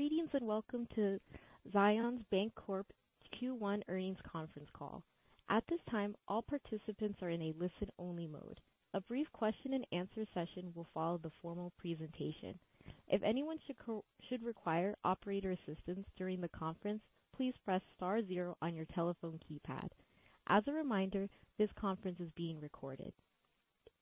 Greetings, welcome to Zions Bancorp's Q1 earnings conference call. At this time, all participants are in a listen-only mode. A brief question and answer session will follow the formal presentation. If anyone should require operator assistance during the conference, please press star zero on your telephone keypad. As a reminder, this conference is being recorded.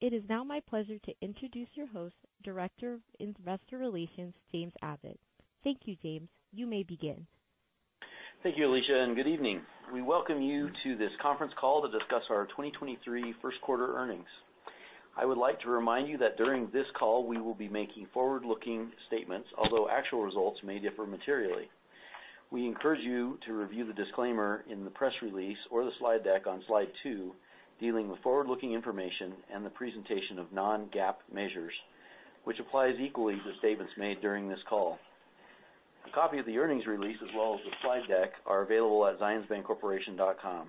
It is now my pleasure to introduce your host, Director of Investor Relations, James Abbott. Thank you, James. You may begin. Thank you, Alicia, and good evening. We welcome you to this conference call to discuss our 2023 first quarter earnings. I would like to remind you that during this call, we will be making forward-looking statements, although actual results may differ materially. We encourage you to review the disclaimer in the press release or the slide deck on slide two, dealing with forward-looking information and the presentation of non-GAAP measures, which applies equally to statements made during this call. A copy of the earnings release, as well as the slide deck, are available at zionsbancorporation.com.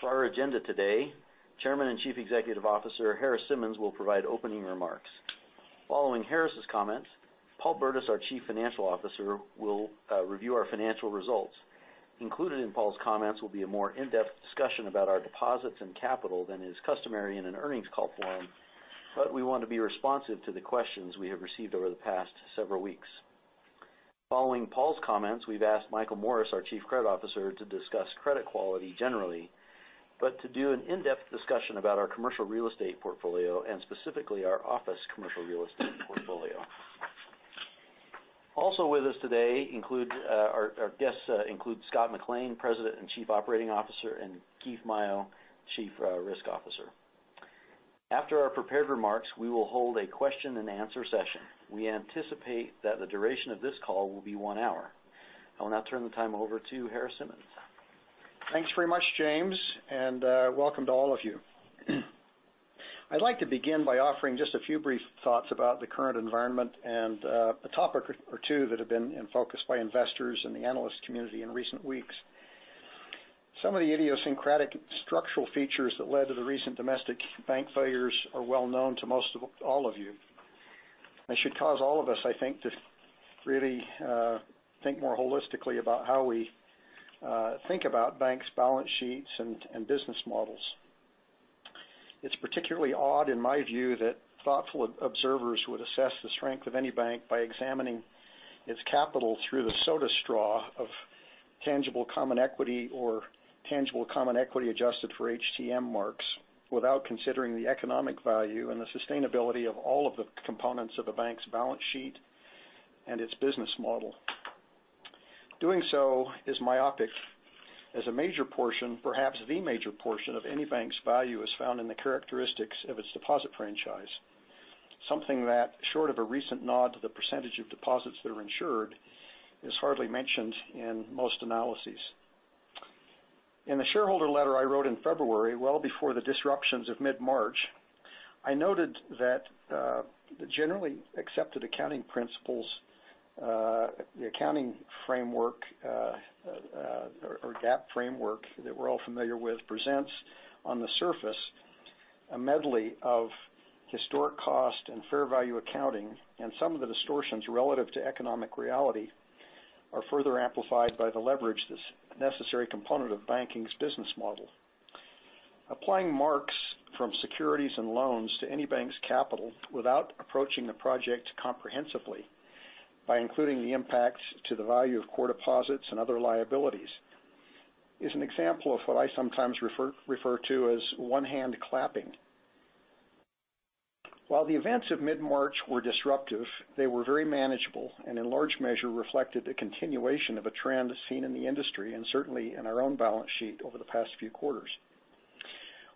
For our agenda today, Chairman and Chief Executive Officer Harris Simmons will provide opening remarks. Following Harris's comments, Paul Burdiss, our Chief Financial Officer, will review our financial results. Included in Paul's comments will be a more in-depth discussion about our deposits and capital than is customary in an earnings call forum, but we want to be responsive to the questions we have received over the past several weeks. Following Paul's comments, we've asked Michael Morris, our Chief Credit Officer, to discuss credit quality generally, but to do an in-depth discussion about our commercial real estate portfolio and specifically our office commercial real estate portfolio. Also with us today include our guests, include Scott McLean, President and Chief Operating Officer, and Keith Maio, Chief Risk Officer. After our prepared remarks, we will hold a question and answer session. We anticipate that the duration of this call will be one hour. I will now turn the time over to Harris Simmons. Thanks very much, James, and welcome to all of you. I'd like to begin by offering just a few brief thoughts about the current environment and a topic or two that have been in focus by investors in the analyst community in recent weeks. Some of the idiosyncratic structural features that led to the recent domestic bank failures are well known to most of all of you. Should cause all of us, I think, to really think more holistically about how we think about banks' balance sheets and business models. It's particularly odd, in my view, that thoughtful observers would assess the strength of any bank by examining its capital through the soda straw of tangible common equity or tangible common equity adjusted for HTM marks without considering the economic value and the sustainability of all of the components of a bank's balance sheet and its business model. Doing so is myopic as a major portion, perhaps the major portion of any bank's value is found in the characteristics of its deposit franchise. Something that, short of a recent nod to the percentage of deposits that are insured, is hardly mentioned in most analyses. In the shareholder letter I wrote in February, well before the disruptions of mid-March, I noted that, the generally accepted accounting principles, the accounting framework, or GAAP framework that we're all familiar with presents on the surface a medley of historic cost and fair value accounting. Some of the distortions relative to economic reality are further amplified by the leverage this necessary component of banking's business model. Applying marks from securities and loans to any bank's capital without approaching the project comprehensively by including the impacts to the value of core deposits and other liabilities is an example of what I sometimes refer to as one-hand clapping. While the events of mid-March were disruptive, they were very manageable and in large measure reflected the continuation of a trend seen in the industry and certainly in our own balance sheet over the past few quarters.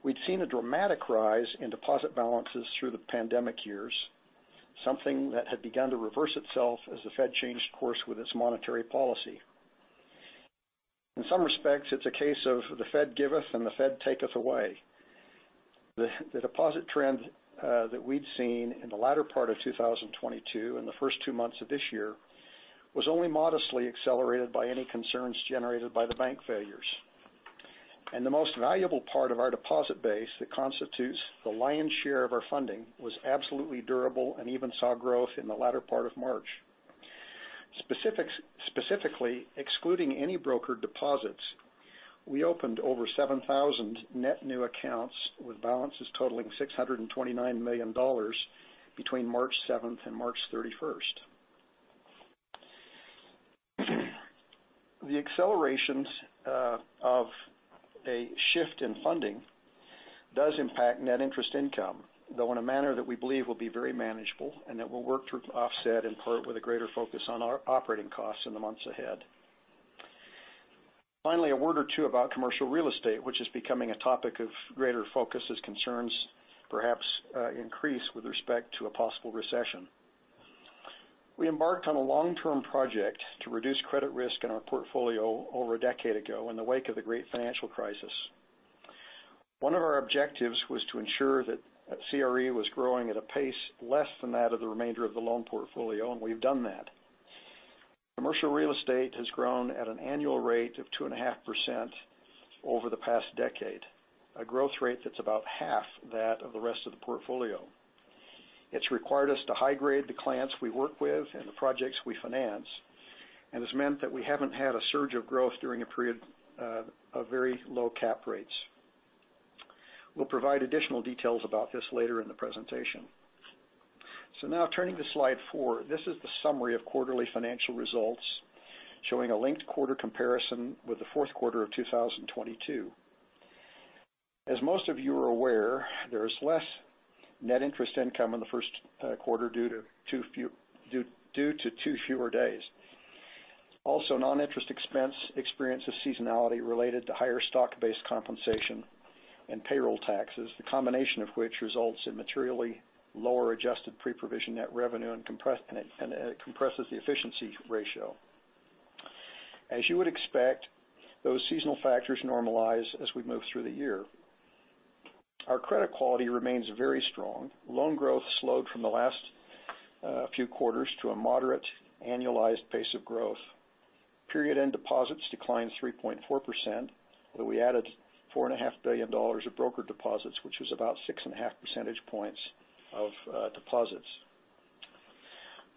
We'd seen a dramatic rise in deposit balances through the pandemic years, something that had begun to reverse itself as the Fed changed course with its monetary policy. In some respects, it's a case of the Fed giveth and the Fed taketh away. The deposit trend that we'd seen in the latter part of 2022 and the first two months of this year was only modestly accelerated by any concerns generated by the bank failures. The most valuable part of our deposit base that constitutes the lion's share of our funding was absolutely durable and even saw growth in the latter part of March. Specifically, excluding any broker deposits, we opened over 7,000 net new accounts with balances totaling $629 million between March 7th and March 31st. The accelerations of a shift in funding does impact net interest income, though in a manner that we believe will be very manageable and that we'll work to offset in part with a greater focus on our operating costs in the months ahead. Finally, a word or two about commercial real estate, which is becoming a topic of greater focus as concerns perhaps increase with respect to a possible recession. We embarked on a long-term project to reduce credit risk in our portfolio over a decade ago in the wake of the great financial crisis. One of our objectives was to ensure that CRE was growing at a pace less than that of the remainder of the loan portfolio, and we've done that. Commercial real estate has grown at an annual rate of 2.5% over the past decade, a growth rate that's about half that of the rest of the portfolio. It's required us to high grade the clients we work with and the projects we finance, and it's meant that we haven't had a surge of growth during a period of very low cap rates. We'll provide additional details about this later in the presentation. Now turning to slide four. This is the summary of quarterly financial results showing a linked quarter comparison with the fourth quarter of 2022. As most of you are aware, there is less net interest income in the first quarter due to two fewer days. Non-interest expense experience a seasonality related to higher stock-based compensation and payroll taxes, the combination of which results in materially lower adjusted pre-provision net revenue and it compresses the efficiency ratio. As you would expect, those seasonal factors normalize as we move through the year. Our credit quality remains very strong. Loan growth slowed from the last few quarters to a moderate annualized pace of growth. Period-end deposits declined 3.4%. We added $4.5 billion of broker deposits, which was about 6.5 percentage points of deposits.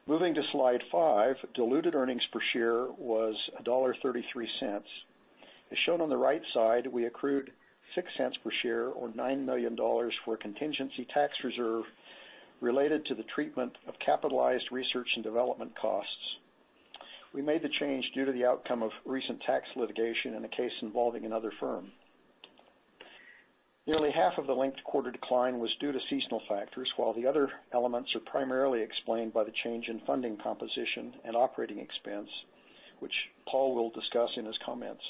Moving to slide five. Diluted earnings per share was $1.33. As shown on the right side, we accrued 0.06 per share or $9 million for a contingency tax reserve related to the treatment of capitalized research and development costs. We made the change due to the outcome of recent tax litigation in a case involving another firm. Nearly half of the linked quarter decline was due to seasonal factors, while the other elements are primarily explained by the change in funding composition and operating expense, which Paul will discuss in his comments.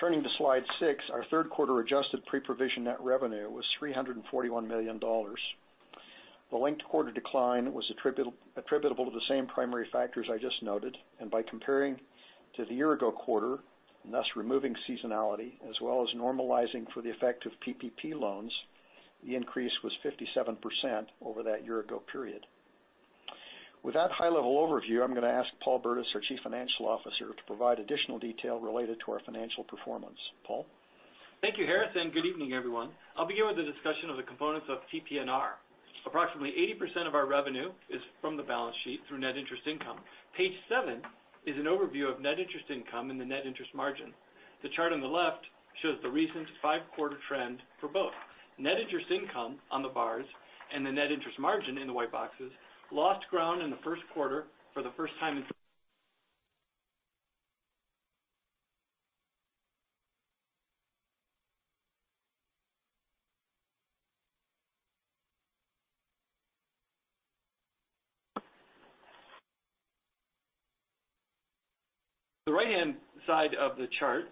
Turning to slide six. Our third quarter adjusted pre-provision net revenue was $341 million. The linked quarter decline was attributable to the same primary factors I just noted. By comparing to the year ago quarter, and thus removing seasonality as well as normalizing for the effect of PPP loans, the increase was 57% over that year ago period. With that high-level overview, I'm going to ask Paul Burdiss, our Chief Financial Officer, to provide additional detail related to our financial performance. Paul? Thank you, Harris Simmons. Good evening, everyone. I'll begin with the discussion of the components of PPNR. Approximately 80% of our revenue is from the balance sheet through net interest income. Page seven is an overview of net interest income and the net interest margin. The chart on the left shows the recent five-quarter trend for both. Net interest income on the bars and the net interest margin in the white boxes lost ground in the first quarter for the first time in... The right-hand side of the chart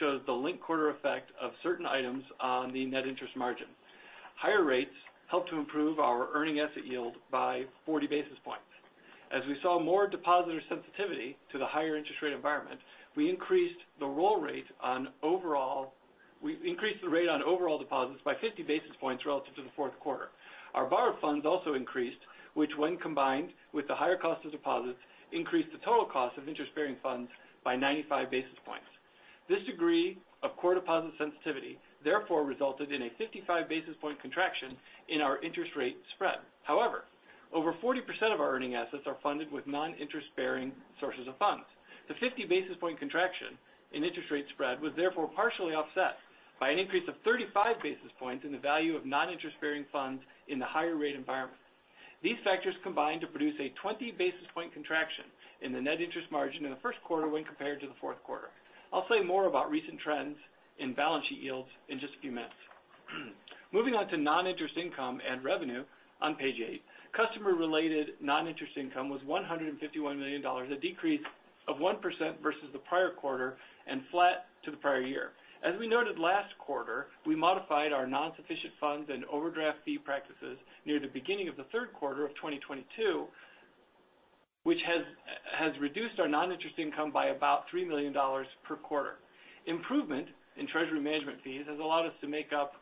shows the linked quarter effect of certain items on the net interest margin. Higher rates helped to improve our earning asset yield by 40 basis points. As we saw more depositor sensitivity to the higher interest rate environment, we increased the rate on overall deposits by 50 basis points relative to the fourth quarter. Our borrowed funds also increased, which when combined with the higher cost of deposits, increased the total cost of interest-bearing funds by 95 basis points. This degree of core deposit sensitivity therefore resulted in a 55 basis point contraction in our interest rate spread. However, over 40% of our earning assets are funded with non-interest-bearing sources of funds. The 50 basis point contraction in interest rate spread was therefore partially offset by an increase of 35 basis points in the value of non-interest-bearing funds in the higher rate environment. These factors combined to produce a 20 basis point contraction in the net interest margin in the first quarter when compared to the fourth quarter. I'll say more about recent trends in balance sheet yields in just a few minutes. Moving on to non-interest income and revenue on page eight. Customer-related non-interest income was $151 million, a decrease of 1% versus the prior quarter and flat to the prior year. As we noted last quarter, we modified our non-sufficient funds and overdraft fee practices near the beginning of the third quarter of 2022, which has reduced our non-interest income by about $3 million per quarter. Improvement in treasury management fees has allowed us to make up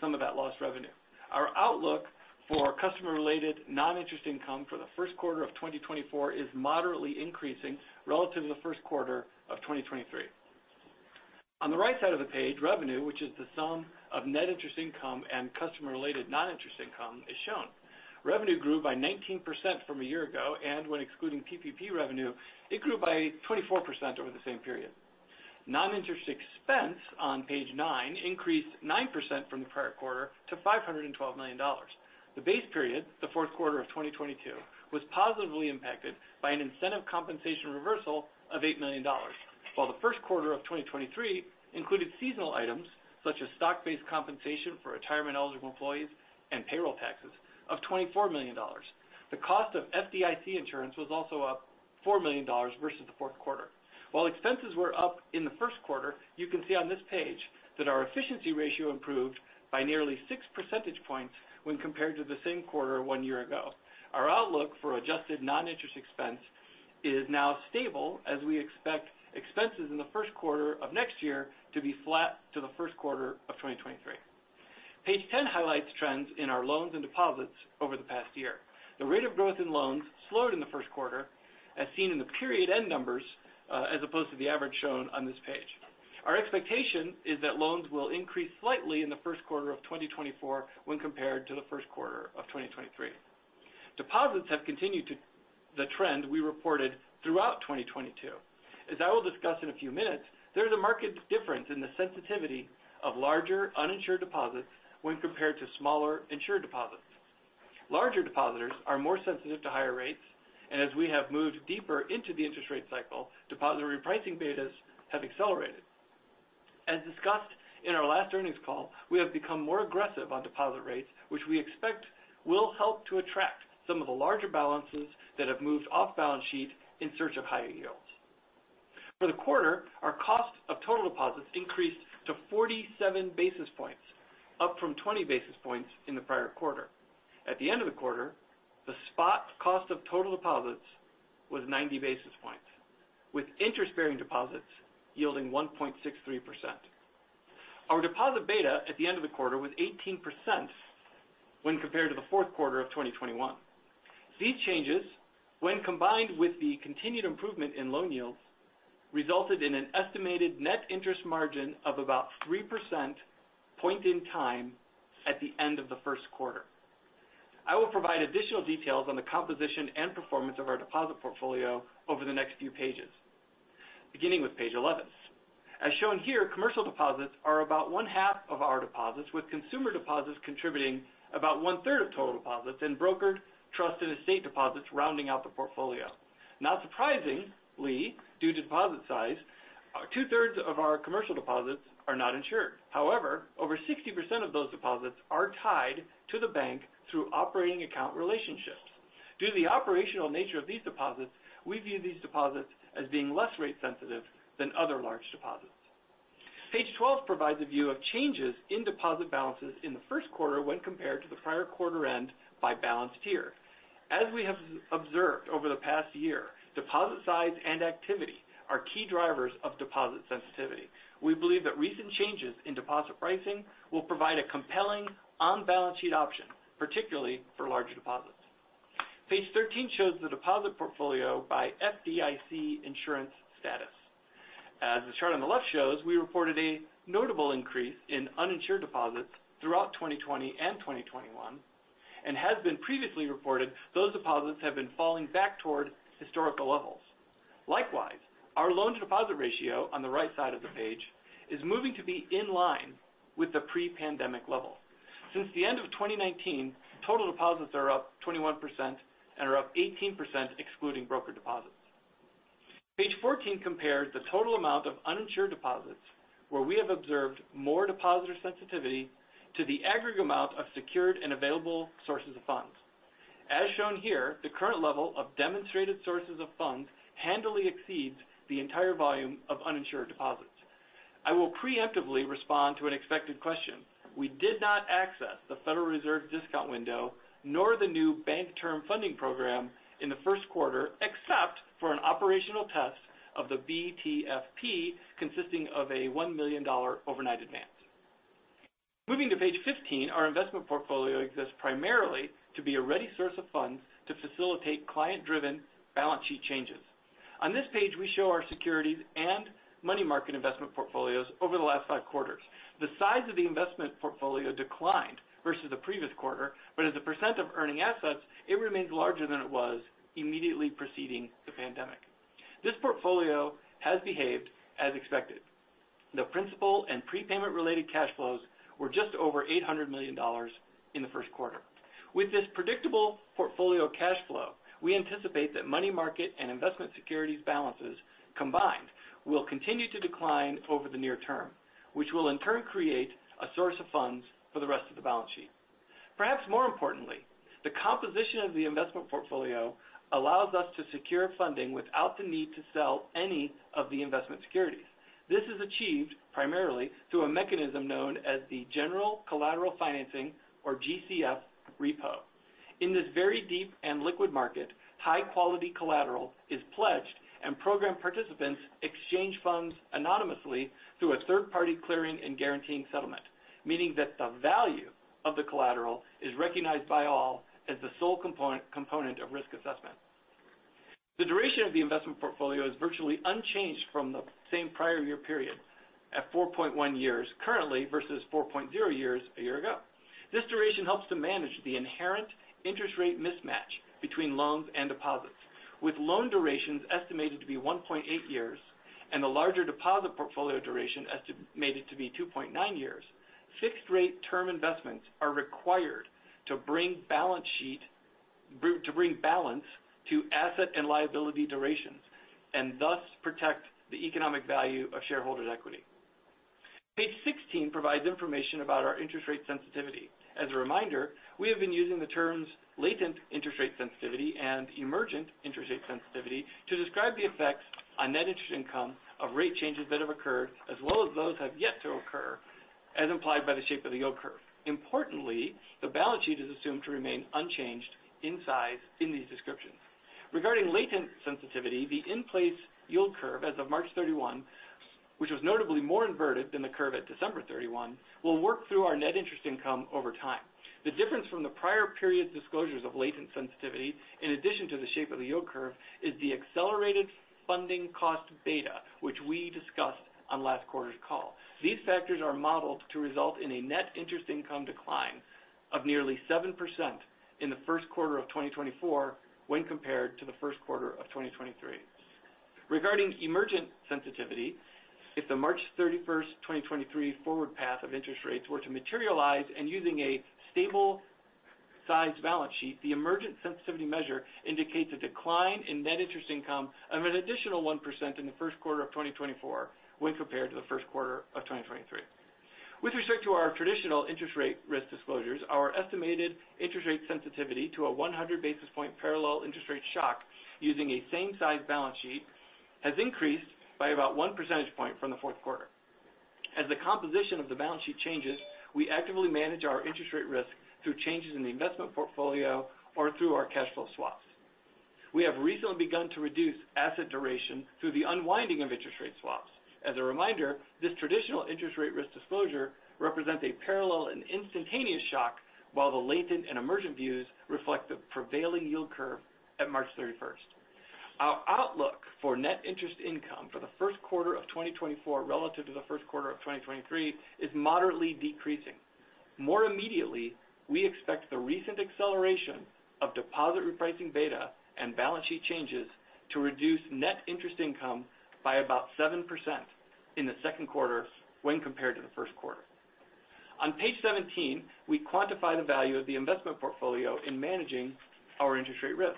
some of that lost revenue. Our outlook for customer-related non-interest income for the first quarter of 2024 is moderately increasing relative to the first quarter of 2023. On the right side of the page, revenue, which is the sum of net interest income and customer-related non-interest income, is shown. Revenue grew by 19% from a year ago. When excluding PPP revenue, it grew by 24% over the same period. Non-interest expense on page nine increased 9% from the prior quarter to $512 million. The base period, the fourth quarter of 2022, was positively impacted by an incentive compensation reversal of $8 million, while the first quarter of 2023 included seasonal items such as stock-based compensation for retirement-eligible employees and payroll taxes of $24 million. The cost of FDIC insurance was also up $4 million versus the fourth quarter. While expenses were up in the first quarter, you can see on this page that our efficiency ratio improved by nearly six percentage points when compared to the same quarter one year ago. Our outlook for adjusted non-interest expense is now stable as we expect expenses in the first quarter of next year to be flat to the first quarter of 2023. Page 10 highlights trends in our loans and deposits over the past year. The rate of growth in loans slowed in the first quarter, as seen in the period end numbers, as opposed to the average shown on this page. Our expectation is that loans will increase slightly in the first quarter of 2024 when compared to the first quarter of 2023. Deposits have continued to the trend we reported throughout 2022. As I will discuss in a few minutes, there is a marked difference in the sensitivity of larger uninsured deposits when compared to smaller insured deposits. Larger depositors are more sensitive to higher rates, and as we have moved deeper into the interest rate cycle, depository pricing betas have accelerated. As discussed in our last earnings call, we have become more aggressive on deposit rates, which we expect will help to attract some of the larger balances that have moved off balance sheet in search of higher yields. For the quarter, our cost of total deposits increased to 47 basis points, up from 20 basis points in the prior quarter. At the end of the quarter, the spot cost of total deposits was 90 basis points, with interest-bearing deposits yielding 1.63%. Our deposit beta at the end of the quarter was 18% when compared to the fourth quarter of 2021. These changes, when combined with the continued improvement in loan yields, resulted in an estimated net interest margin of about 3% point in time at the end of the first quarter. I will provide additional details on the composition and performance of our deposit portfolio over the next few pages, beginning with page 11. As shown here, commercial deposits are about 1/2 of our deposits, with consumer deposits contributing about 1/3 of total deposits and brokered trust and estate deposits rounding out the portfolio. Not surprisingly, due to deposit size, 2/3 of our commercial deposits are not insured. However, over 60% of those deposits are tied to the bank through operating account relationships. Due to the operational nature of these deposits, we view these deposits as being less rate sensitive than other large deposits. Page 12 provides a view of changes in deposit balances in the first quarter when compared to the prior quarter end by balance tier. As we have observed over the past year, deposit size and activity are key drivers of deposit sensitivity. We believe that recent changes in deposit pricing will provide a compelling on-balance sheet option, particularly for larger deposits. Page 13 shows the deposit portfolio by FDIC insurance status. As the chart on the left shows, we reported a notable increase in uninsured deposits throughout 2020 and 2021, and has been previously reported, those deposits have been falling back toward historical levels. Likewise, our loan to deposit ratio on the right side of the page is moving to be in line with the pre-pandemic level. Since the end of 2019, total deposits are up 21% and are up 18% excluding broker deposits. Page 14 compares the total amount of uninsured deposits, where we have observed more depositor sensitivity to the aggregate amount of secured and available sources of funds. As shown here, the current level of demonstrated sources of funds handily exceeds the entire volume of uninsured deposits. I will preemptively respond to an expected question. We did not access the Federal Reserve discount window nor the new Bank Term Funding Program in the 1st quarter, except for an operational test of the BTFP consisting of a $1 million overnight advance. Moving to page 15, our investment portfolio exists primarily to be a ready source of funds to facilitate client-driven balance sheet changes. On this page, we show our securities and money market investment portfolios over the last five quarters. The size of the investment portfolio declined versus the previous quarter. As a % of earning assets, it remains larger than it was immediately preceding the pandemic. This portfolio has behaved as expected. The principal and prepayment-related cash flows were just over $800 million in the first quarter. With this predictable portfolio cash flow, we anticipate that money market and investment securities balances combined will continue to decline over the near term, which will in turn create a source of funds for the rest of the balance sheet. Perhaps more importantly, the composition of the investment portfolio allows us to secure funding without the need to sell any of the investment securities. This is achieved primarily through a mechanism known as the General Collateral Financing or GCF repo. In this very deep and liquid market, high quality collateral is pledged and program participants exchange funds anonymously through a third-party clearing and guaranteeing settlement, meaning that the value of the collateral is recognized by all as the sole component of risk assessment. The duration of the investment portfolio is virtually unchanged from the same prior year period at 4.1 years currently versus 4.0 years a year ago. This duration helps to manage the inherent interest rate mismatch between loans and deposits. With loan durations estimated to be 1.8 years and the larger deposit portfolio duration estimated to be 2.9 years, fixed rate term investments are required to bring balance to asset and liability durations and thus protect the economic value of shareholders' equity. Page 16 provides information about our interest rate sensitivity. As a reminder, we have been using the terms latent interest rate sensitivity and emergent interest rate sensitivity to describe the effects on net interest income of rate changes that have occurred, as well as those have yet to occur, as implied by the shape of the yield curve. Importantly, the balance sheet is assumed to remain unchanged in size in these descriptions. Regarding latent sensitivity, the in place yield curve as of March 31, which was notably more inverted than the curve at December 31, will work through our net interest income over time. The difference from the prior periods disclosures of latent sensitivity, in addition to the shape of the yield curve, is the accelerated funding cost beta, which we discussed on last quarter's call. These factors are modeled to result in a net interest income decline of nearly 7% in the first quarter of 2024 when compared to the first quarter of 2023. Regarding emergent sensitivity, if the March 31, 2023 forward path of interest rates were to materialize and using a stable size balance sheet, the emergent sensitivity measure indicates a decline in net interest income of an additional 1% in the first quarter of 2024 when compared to the first quarter of 2023. With respect to our traditional interest rate risk disclosures, our estimated interest rate sensitivity to a 100 basis point parallel interest rate shock using a same size balance sheet has increased by about 1 percentage point from the fourth quarter. As the composition of the balance sheet changes, we actively manage our interest rate risk through changes in the investment portfolio or through our cash flow swaps. We have recently begun to reduce asset duration through the unwinding of interest rate swaps. As a reminder, this traditional interest rate risk disclosure represents a parallel and instantaneous shock, while the latent and emergent views reflect the prevailing yield curve at March thirty-first. Our outlook for net interest income for the first quarter of 2024 relative to the first quarter of 2023 is moderately decreasing. More immediately, we expect the recent acceleration of deposit repricing beta and balance sheet changes to reduce net interest income by about 7% in the second quarter when compared to the first quarter. On page 17, we quantify the value of the investment portfolio in managing our interest rate risk.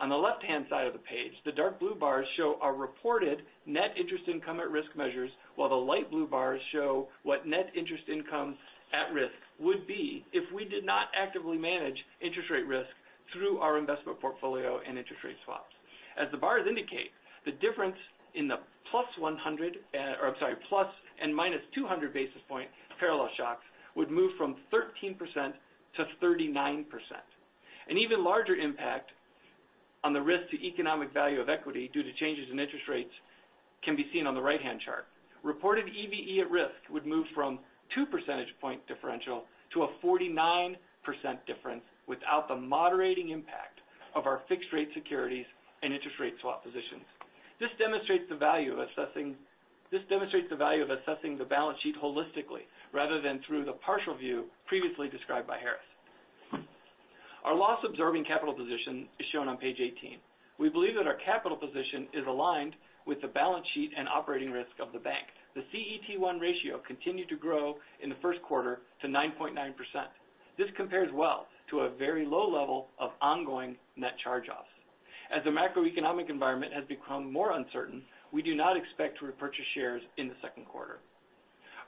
On the left-hand side of the page, the dark blue bars show our reported net interest income at risk measures, while the light blue bars show what net interest income at risk would be if we did not actively manage interest rate risk through our investment portfolio and interest rate swaps. As the bars indicate, the difference in the plus 100, or I'm sorry, plus and minus 200 basis point parallel shocks would move from 13% to 39%. An even larger impact on the risk to economic value of equity due to changes in interest rates can be seen on the right-hand chart. Reported EVE at risk would move from a two percentage point differential to a 49% difference without the moderating impact of our fixed rate securities and interest rate swap positions. This demonstrates the value of assessing the balance sheet holistically rather than through the partial view previously described by Harris. Our loss observing capital position is shown on page 18. We believe that our capital position is aligned with the balance sheet and operating risk of the bank. The CET1 ratio continued to grow in the first quarter to 9.9%. This compares well to a very low level of ongoing net charge offs. As the macroeconomic environment has become more uncertain, we do not expect to repurchase shares in the second quarter.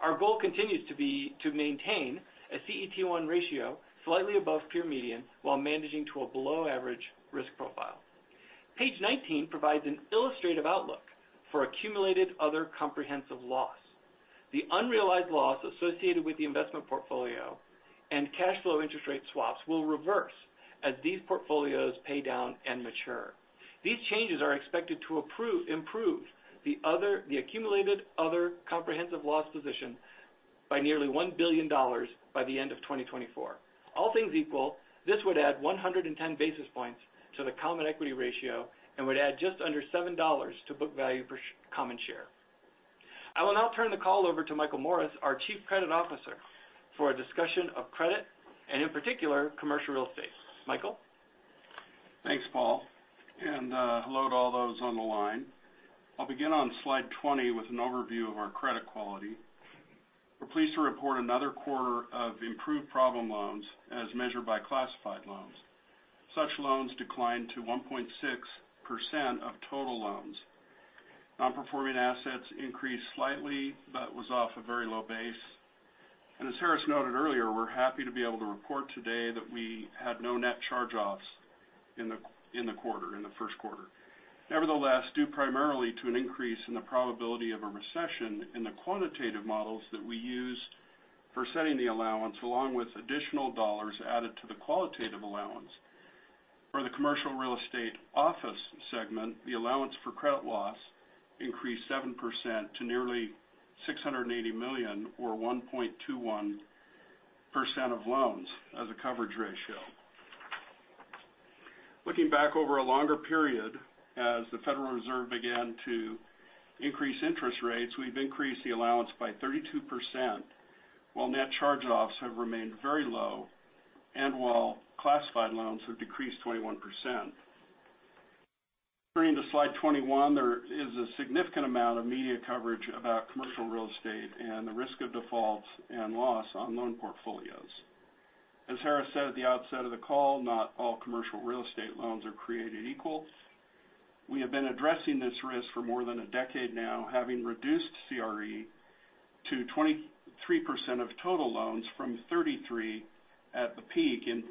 Our goal continues to be to maintain a CET1 ratio slightly above peer median while managing to a below average risk profile. Page 19 provides an illustrative outlook for accumulated other comprehensive loss. The unrealized loss associated with the investment portfolio and cash flow interest rate swaps will reverse as these portfolios pay down and mature. These changes are expected to improve the accumulated other comprehensive loss position by nearly $1 billion by the end of 2024. All things equal, this would add 110 basis points to the common equity ratio and would add just under $7 to book value per common share. I will now turn the call over to Michael Morris, our Chief Credit Officer, for a discussion of credit and in particular commercial real estate. Michael? Thanks, Paul, and hello to all those on the line. I'll begin on slide 20 with an overview of our credit quality. We're pleased to report another quarter of improved problem loans as measured by classified loans. Such loans declined to 1.6% of total loans. Non-performing assets increased slightly, but was off a very low base. As Harris noted earlier, we're happy to be able to report today that we had no net charge offs in the quarter, in the first quarter. Nevertheless, due primarily to an increase in the probability of a recession in the quantitative models that we used for setting the allowance, along with additional dollars added to the qualitative allowance. For the commercial real estate office segment, the allowance for credit loss increased 7% to nearly $680 million or 1.21% of loans as a coverage ratio. Looking back over a longer period, as the Federal Reserve began to increase interest rates, we've increased the allowance by 32%, while net charge offs have remained very low and while classified loans have decreased 21%. Turning to slide 21, there is a significant amount of media coverage about commercial real estate and the risk of defaults and loss on loan portfolios. As Harris said at the outset of the call, not all commercial real estate loans are created equal. We have been addressing this risk for more than a decade now, having reduced CRE to 23% of total loans from 33 at the peak in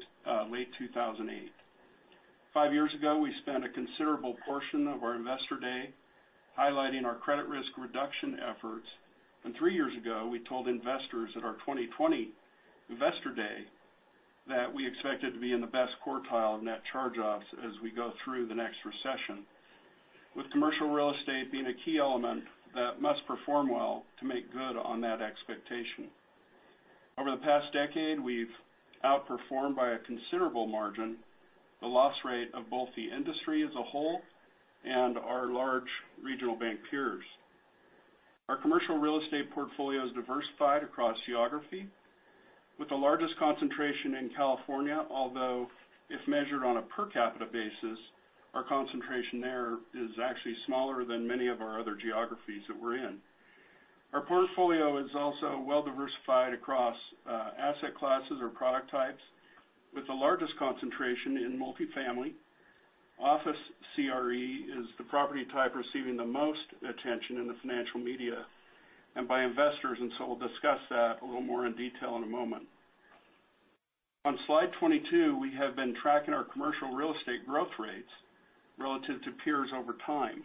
late 2008. Five years ago, we spent a considerable portion of our investor day highlighting our credit risk reduction efforts. Three years ago, we told investors at our 2020 investor day that we expected to be in the best quartile of net charge-offs as we go through the next recession, with commercial real estate being a key element that must perform well to make good on that expectation. Over the past decade, we've outperformed by a considerable margin the loss rate of both the industry as a whole and our large regional bank peers. Our commercial real estate portfolio is diversified across geography, with the largest concentration in California. Although if measured on a per capita basis, our concentration there is actually smaller than many of our other geographies that we're in. Our portfolio is also well diversified across asset classes or product types, with the largest concentration in multifamily. Office CRE is the property type receiving the most attention in the financial media and by investors, and so we'll discuss that a little more in detail in a moment. On slide 22, we have been tracking our commercial real estate growth rates relative to peers over time.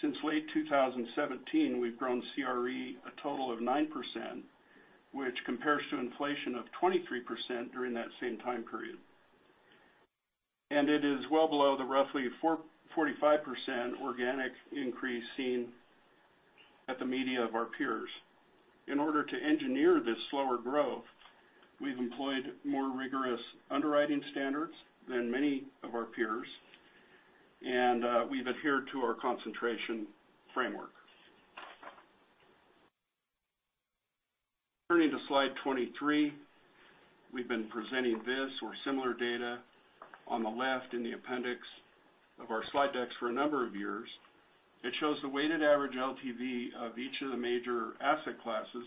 Since late 2017, we've grown CRE a total of 9%, which compares to inflation of 23% during that same time period. It is well below the roughly 45% organic increase seen at the media of our peers. In order to engineer this slower growth, we've employed more rigorous underwriting standards than many of our peers, and we've adhered to our concentration framework. Turning to slide 23. We've been presenting this or similar data on the left in the appendix of our slide decks for a number of years. It shows the weighted average LTV of each of the major asset classes,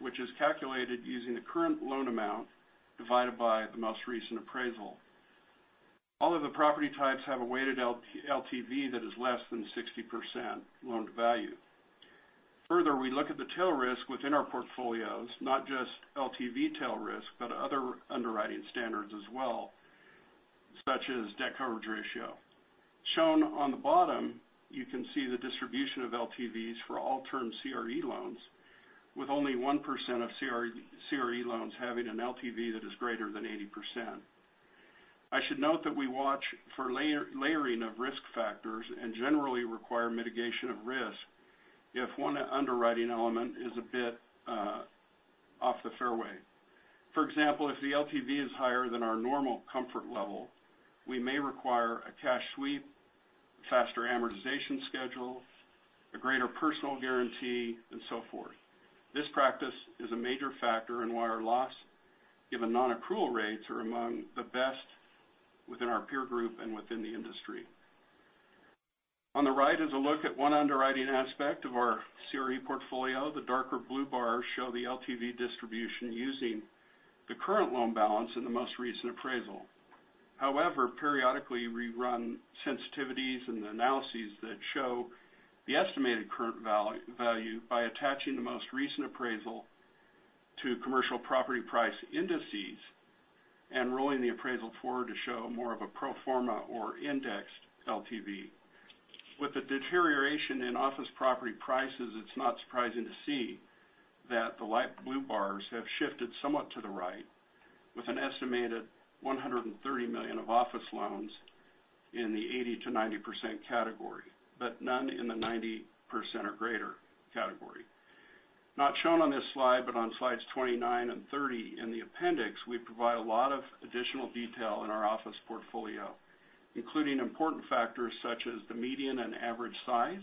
which is calculated using the current loan amount divided by the most recent appraisal. All of the property types have a weighted LTV that is less than 60% loan-to-value. Further, we look at the tail risk within our portfolios, not just LTV tail risk, but other underwriting standards as well, such as debt coverage ratio. Shown on the bottom, you can see the distribution of LTVs for all term CRE loans with only 1% of CRE loans having an LTV that is greater than 80%. I should note that we watch for layering of risk factors and generally require mitigation of risk if one underwriting element is a bit off the fairway. For example, if the LTV is higher than our normal comfort level, we may require a cash sweep, faster amortization schedule, a greater personal guarantee, and so forth. This practice is a major factor in why our loss given non-accrual rates are among the best within our peer group and within the industry. On the right is a look at one underwriting aspect of our CRE portfolio. The darker blue bars show the LTV distribution using the current loan balance in the most recent appraisal. However, periodically, we run sensitivities and analyses that show the estimated current value by attaching the most recent appraisal to commercial property price indices and rolling the appraisal forward to show more of a pro forma or indexed LTV. With the deterioration in office property prices, it's not surprising to see that the light blue bars have shifted somewhat to the right with an estimated $130 million of office loans in the 80%-90% category, but none in the 90% or greater category. Not shown on this slide, but on slides 29 and 30 in the appendix, we provide a lot of additional detail in our office portfolio. Including important factors such as the median and average size,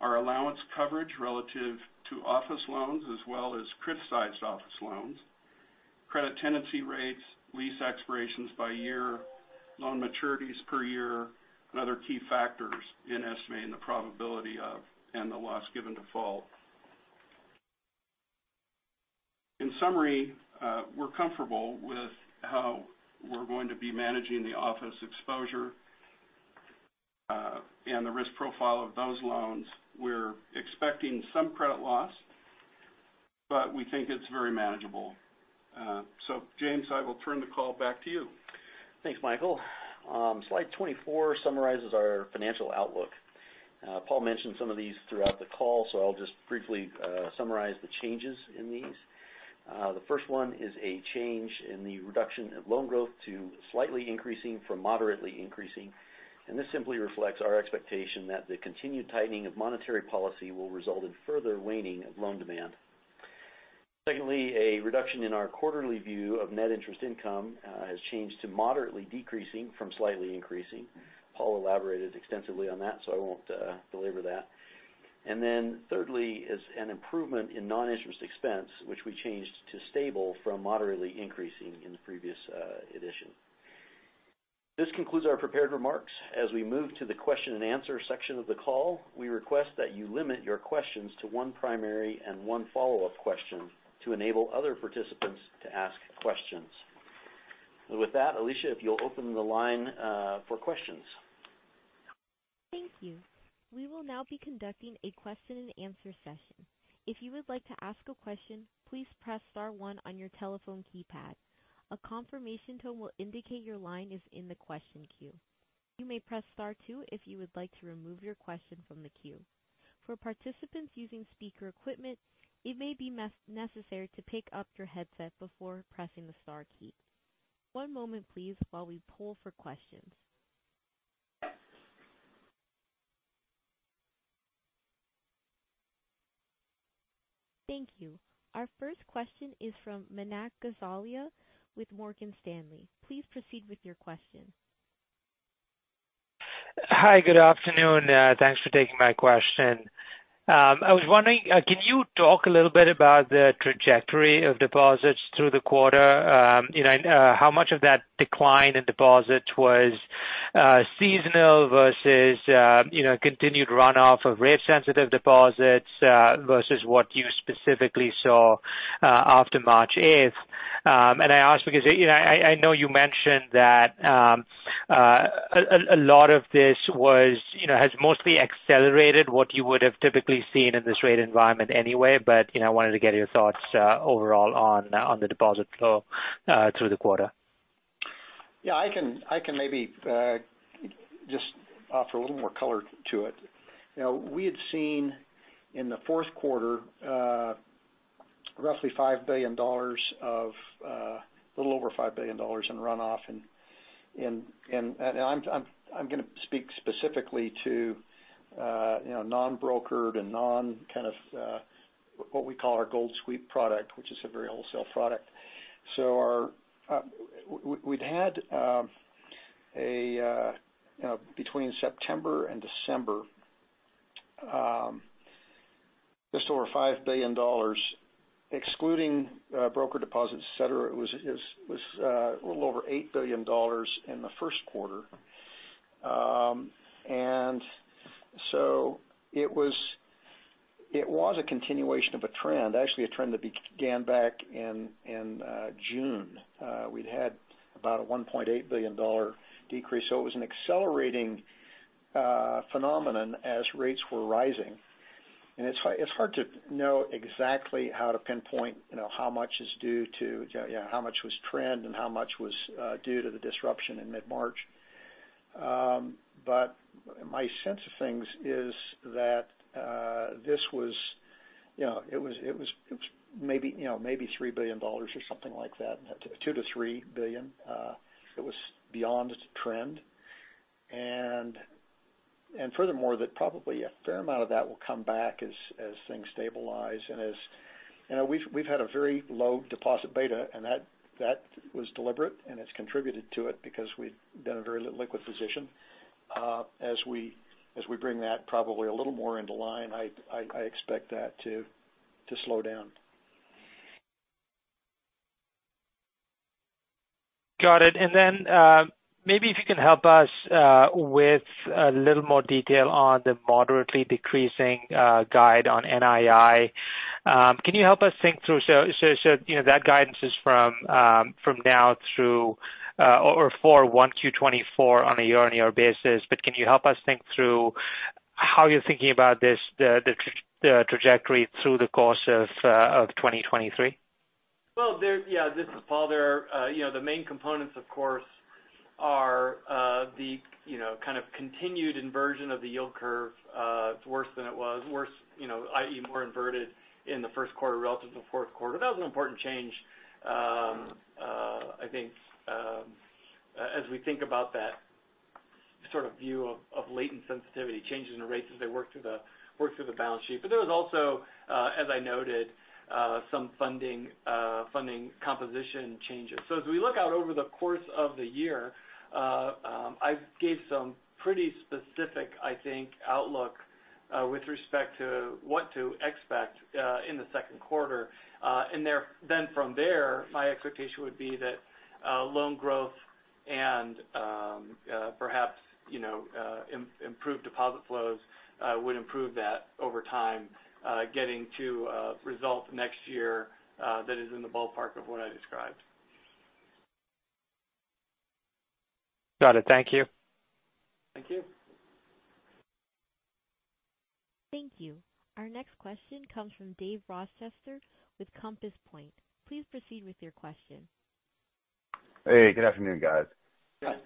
our allowance coverage relative to office loans as well as criticized office loans, credit tenancy rates, lease expirations by year, loan maturities per year, and other key factors in estimating the probability of and the loss given default. In summary, we're comfortable with how we're going to be managing the office exposure, and the risk profile of those loans. We're expecting some credit loss, but we think it's very manageable. James, I will turn the call back to you. Thanks, Michael. slide 24 summarizes our financial outlook. Paul mentioned some of these throughout the call, so I'll just briefly summarize the changes in these. The first one is a change in the reduction of loan growth to slightly increasing from moderately increasing. This simply reflects our expectation that the continued tightening of monetary policy will result in further waning of loan demand. Secondly, a reduction in our quarterly view of net interest income has changed to moderately decreasing from slightly increasing. Paul elaborated extensively on that, so I won't belabor that. Thirdly is an improvement in non-interest expense, which we changed to stable from moderately increasing in the previous edition. This concludes our prepared remarks. As we move to the question and answer section of the call, we request that you limit your questions to one primary and one follow-up question to enable other participants to ask questions. With that, Alicia, if you'll open the line for questions. Thank you. We will now be conducting a question and answer session. If you would like to ask a question, please press star one on your telephone keypad. A confirmation tone will indicate your line is in the question queue. You may press star two if you would like to remove your question from the queue. For participants using speaker equipment, it may be necessary to pick up your headset before pressing the star key. One moment please while we poll for questions. Thank you. Our first question is from Manan Gosalia with Morgan Stanley. Please proceed with your question. Hi, good afternoon. thanks for taking my question. I was wondering, can you talk a little bit about the trajectory of deposits through the quarter? you know, and how much of that decline in deposits was seasonal versus, you know, continued runoff of rate sensitive deposits, versus what you specifically saw after March eighth? I ask because, you know, I know you mentioned that, a lot of this was, you know, has mostly accelerated what you would have typically seen in this rate environment anyway. You know, I wanted to get your thoughts, overall on the deposit flow, through the quarter. Yeah, I can maybe just offer a little more color to it. You know, we had seen in the fourth quarter, roughly $5 billion of a little over $5 billion in runoff. I'm gonna speak specifically to, you know, non-brokered and non kind of, what we call our Gold Sweep product, which is a very wholesale product. Our, we'd had, you know, between September and December, just over $5 billion excluding broker deposits, et cetera. It was a little over $8 billion in the first quarter. It was a continuation of a trend, actually a trend that began back in June. We'd had about a $1.8 billion decrease, so it was an accelerating phenomenon as rates were rising. It's hard to know exactly how to pinpoint, you know, how much is due to, yeah, how much was trend and how much was due to the disruption in mid-March. My sense of things is that this was, you know, it was, it was maybe, you know, maybe $3 billion or something like that, $2 billion-$3 billion. It was beyond trend. Furthermore, that probably a fair amount of that will come back as things stabilize. As you know, we've had a very low deposit beta, and that was deliberate, and it's contributed to it because we've done a very liquid position. As we, as we bring that probably a little more into line, I expect that to slow down. Got it. Maybe if you can help us with a little more detail on the moderately decreasing guide on NII. Can you help us think through? You know, that guidance is from now through or for 1Q 2024 on a year-on-year basis. Can you help us think through how you're thinking about this, the trajectory through the course of 2023? Well, yeah, this is Paul. You know, the main components of course are the, you know, kind of continued inversion of the yield curve. It's worse than it was. Worse, you know, i.e., more inverted in the first quarter relative to fourth quarter. That was an important change. I think, as we think about that sort of view of latent sensitivity changes in the rates as they work through the balance sheet. There was also, as I noted, some funding composition changes. As we look out over the course of the year, I gave some pretty specific, I think, outlook with respect to what to expect in the second quarter. From there, my expectation would be that loan growth and, perhaps, you know, improved deposit flows would improve that over time, getting to a result next year that is in the ballpark of what I described. Got it. Thank you. Thank you. Thank you. Our next question comes from Dave Rochester with Compass Point. Please proceed with your question. Hey, good afternoon, guys. Yeah.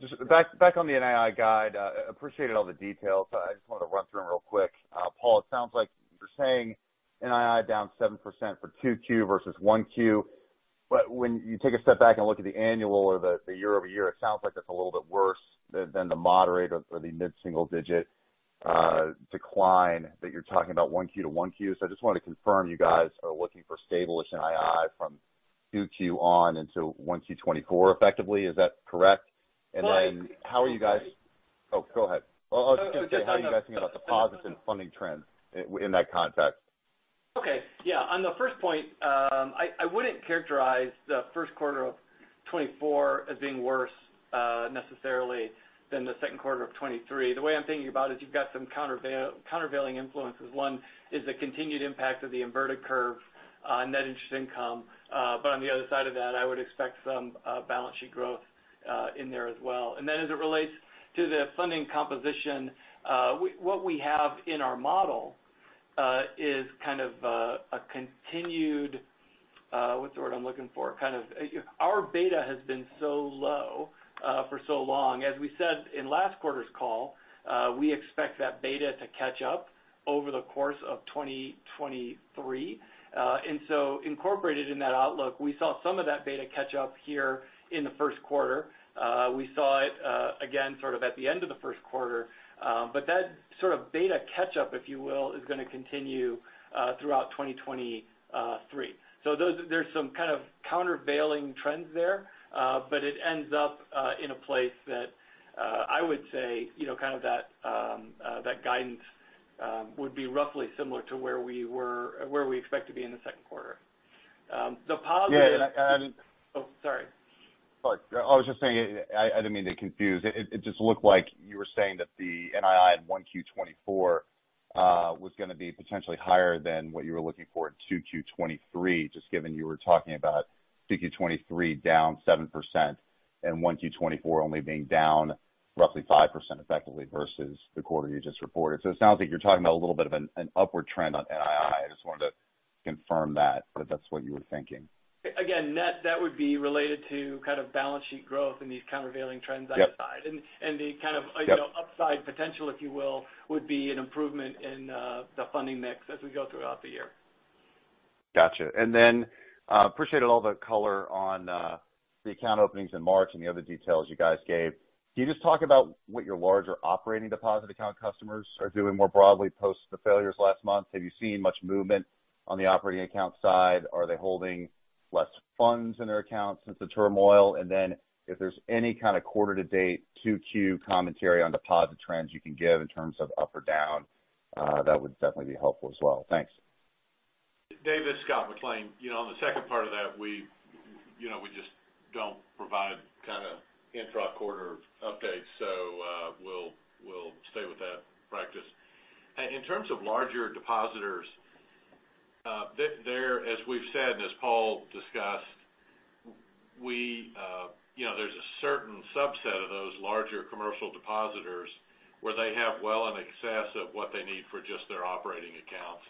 Just back on the NII guide. Appreciated all the details. I just wanted to run through them real quick. Paul, it sounds like you're saying NII down 7% for 2Q versus 1Q. When you take a step back and look at the annual or the year-over-year, it sounds like that's a little bit worse than the moderate or the mid-single-digit decline that you're talking about 1Q to 1Q. I just wanted to confirm you guys are looking for stable NII from 2Q on into 1Q 2024 effectively. Is that correct? Well. How are you? Oh, go ahead. No, no. I was just going to say, how are you guys thinking about deposits and funding trends in that context? Okay. Yeah, on the first point, I wouldn't characterize the first quarter of 2024 as being worse, necessarily than the second quarter of 2023. The way I'm thinking about it is you've got some countervailing influences. One is the continued impact of the inverted curve on net interest income. On the other side of that, I would expect some balance sheet growth in there as well. As it relates to the funding composition, what we have in our model, is kind of a continued, what's the word I'm looking for? Kind of our beta has been so low, for so long. As we said in last quarter's call, we expect that beta to catch up over the course of 2023. Incorporated in that outlook, we saw some of that beta catch up here in the first quarter. We saw it again sort of at the end of the first quarter. That sort of beta catch up, if you will, is gonna continue throughout 2023. There's some kind of countervailing trends there, but it ends up in a place that I would say, you know, kind of that guidance would be roughly similar to where we expect to be in the second quarter. Yeah, and. Oh, sorry. Sorry. I was just saying I didn't mean to confuse. It just looked like you were saying that the NII in 1Q 2024 was gonna be potentially higher than what you were looking for in 2Q 2023, just given you were talking about 2Q 2023 down 7% and 1Q 2024 only being down roughly 5% effectively versus the quarter you just reported. It sounds like you're talking about a little bit of an upward trend on NII. I just wanted to confirm that that's what you were thinking. Net, that would be related to kind of balance sheet growth and these countervailing trends on that side. Yep. And, and the kind of- Yep. you know, upside potential, if you will, would be an improvement in the funding mix as we go throughout the year. Gotcha. Appreciate all the color on the account openings in March and the other details you guys gave. Can you just talk about what your larger operating deposit account customers are doing more broadly post the failures last month? Have you seen much movement on the operating account side? Are they holding less funds in their accounts since the turmoil? If there's any kind of quarter to date 2Q commentary on deposit trends you can give in terms of up or down, that would definitely be helpful as well. Thanks. David, Scott McLean. You know, on the second part of that, we, you know, we just don't provide kind of intra-quarter updates. We'll stay with that practice. In terms of larger depositors, there, as we've said and as Paul discussed, we, you know, there's a certain subset of those larger commercial depositors where they have well in excess of what they need for just their operating accounts.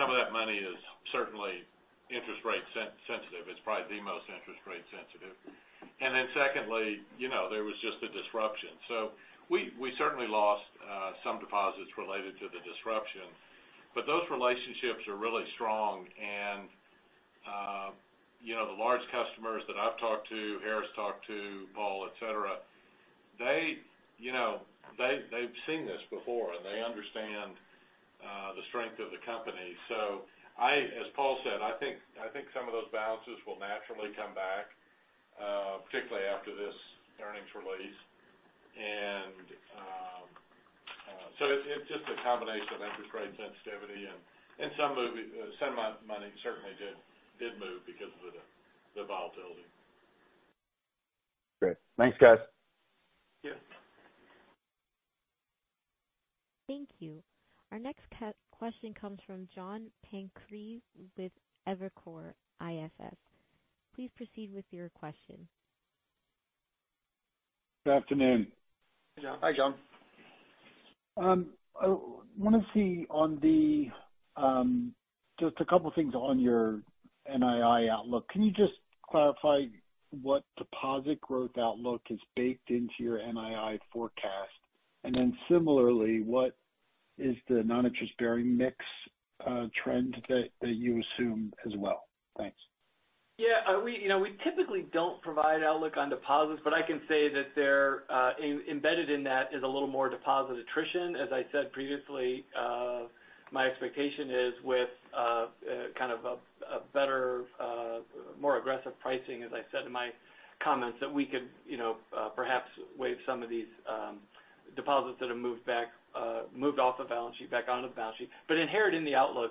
Some of that money is certainly interest rate sensitive. It's probably the most interest rate sensitive. Secondly, you know, there was just a disruption. We certainly lost some deposits related to the disruption, those relationships are really strong. You know, the large customers that I've talked to, Harris talked to, Paul, et cetera, they, you know, they've seen this before and they understand the strength of the company. As Paul said, I think some of those balances will naturally come back, particularly after this earnings release. It's just a combination of interest rate sensitivity and some money certainly did move because of the volatility. Great. Thanks, guys. Yeah. Thank you. Our next question comes from John Pancari with Evercore ISI. Please proceed with your question. Good afternoon. Hey, John. Hi, John. I wanna see on the just a couple of things on your NII outlook. Can you just clarify what deposit growth outlook is baked into your NII forecast? Similarly, what is the non-interest-bearing mix trend that you assume as well? Thanks. Yeah, we, you know, we typically don't provide outlook on deposits, but I can say that there embedded in that is a little more deposit attrition. As I said previously, my expectation is with kind of a better, more aggressive pricing, as I said in my comments, that we could, you know, perhaps waive some of these deposits that have moved off the balance sheet back onto the balance sheet. Inherent in the outlook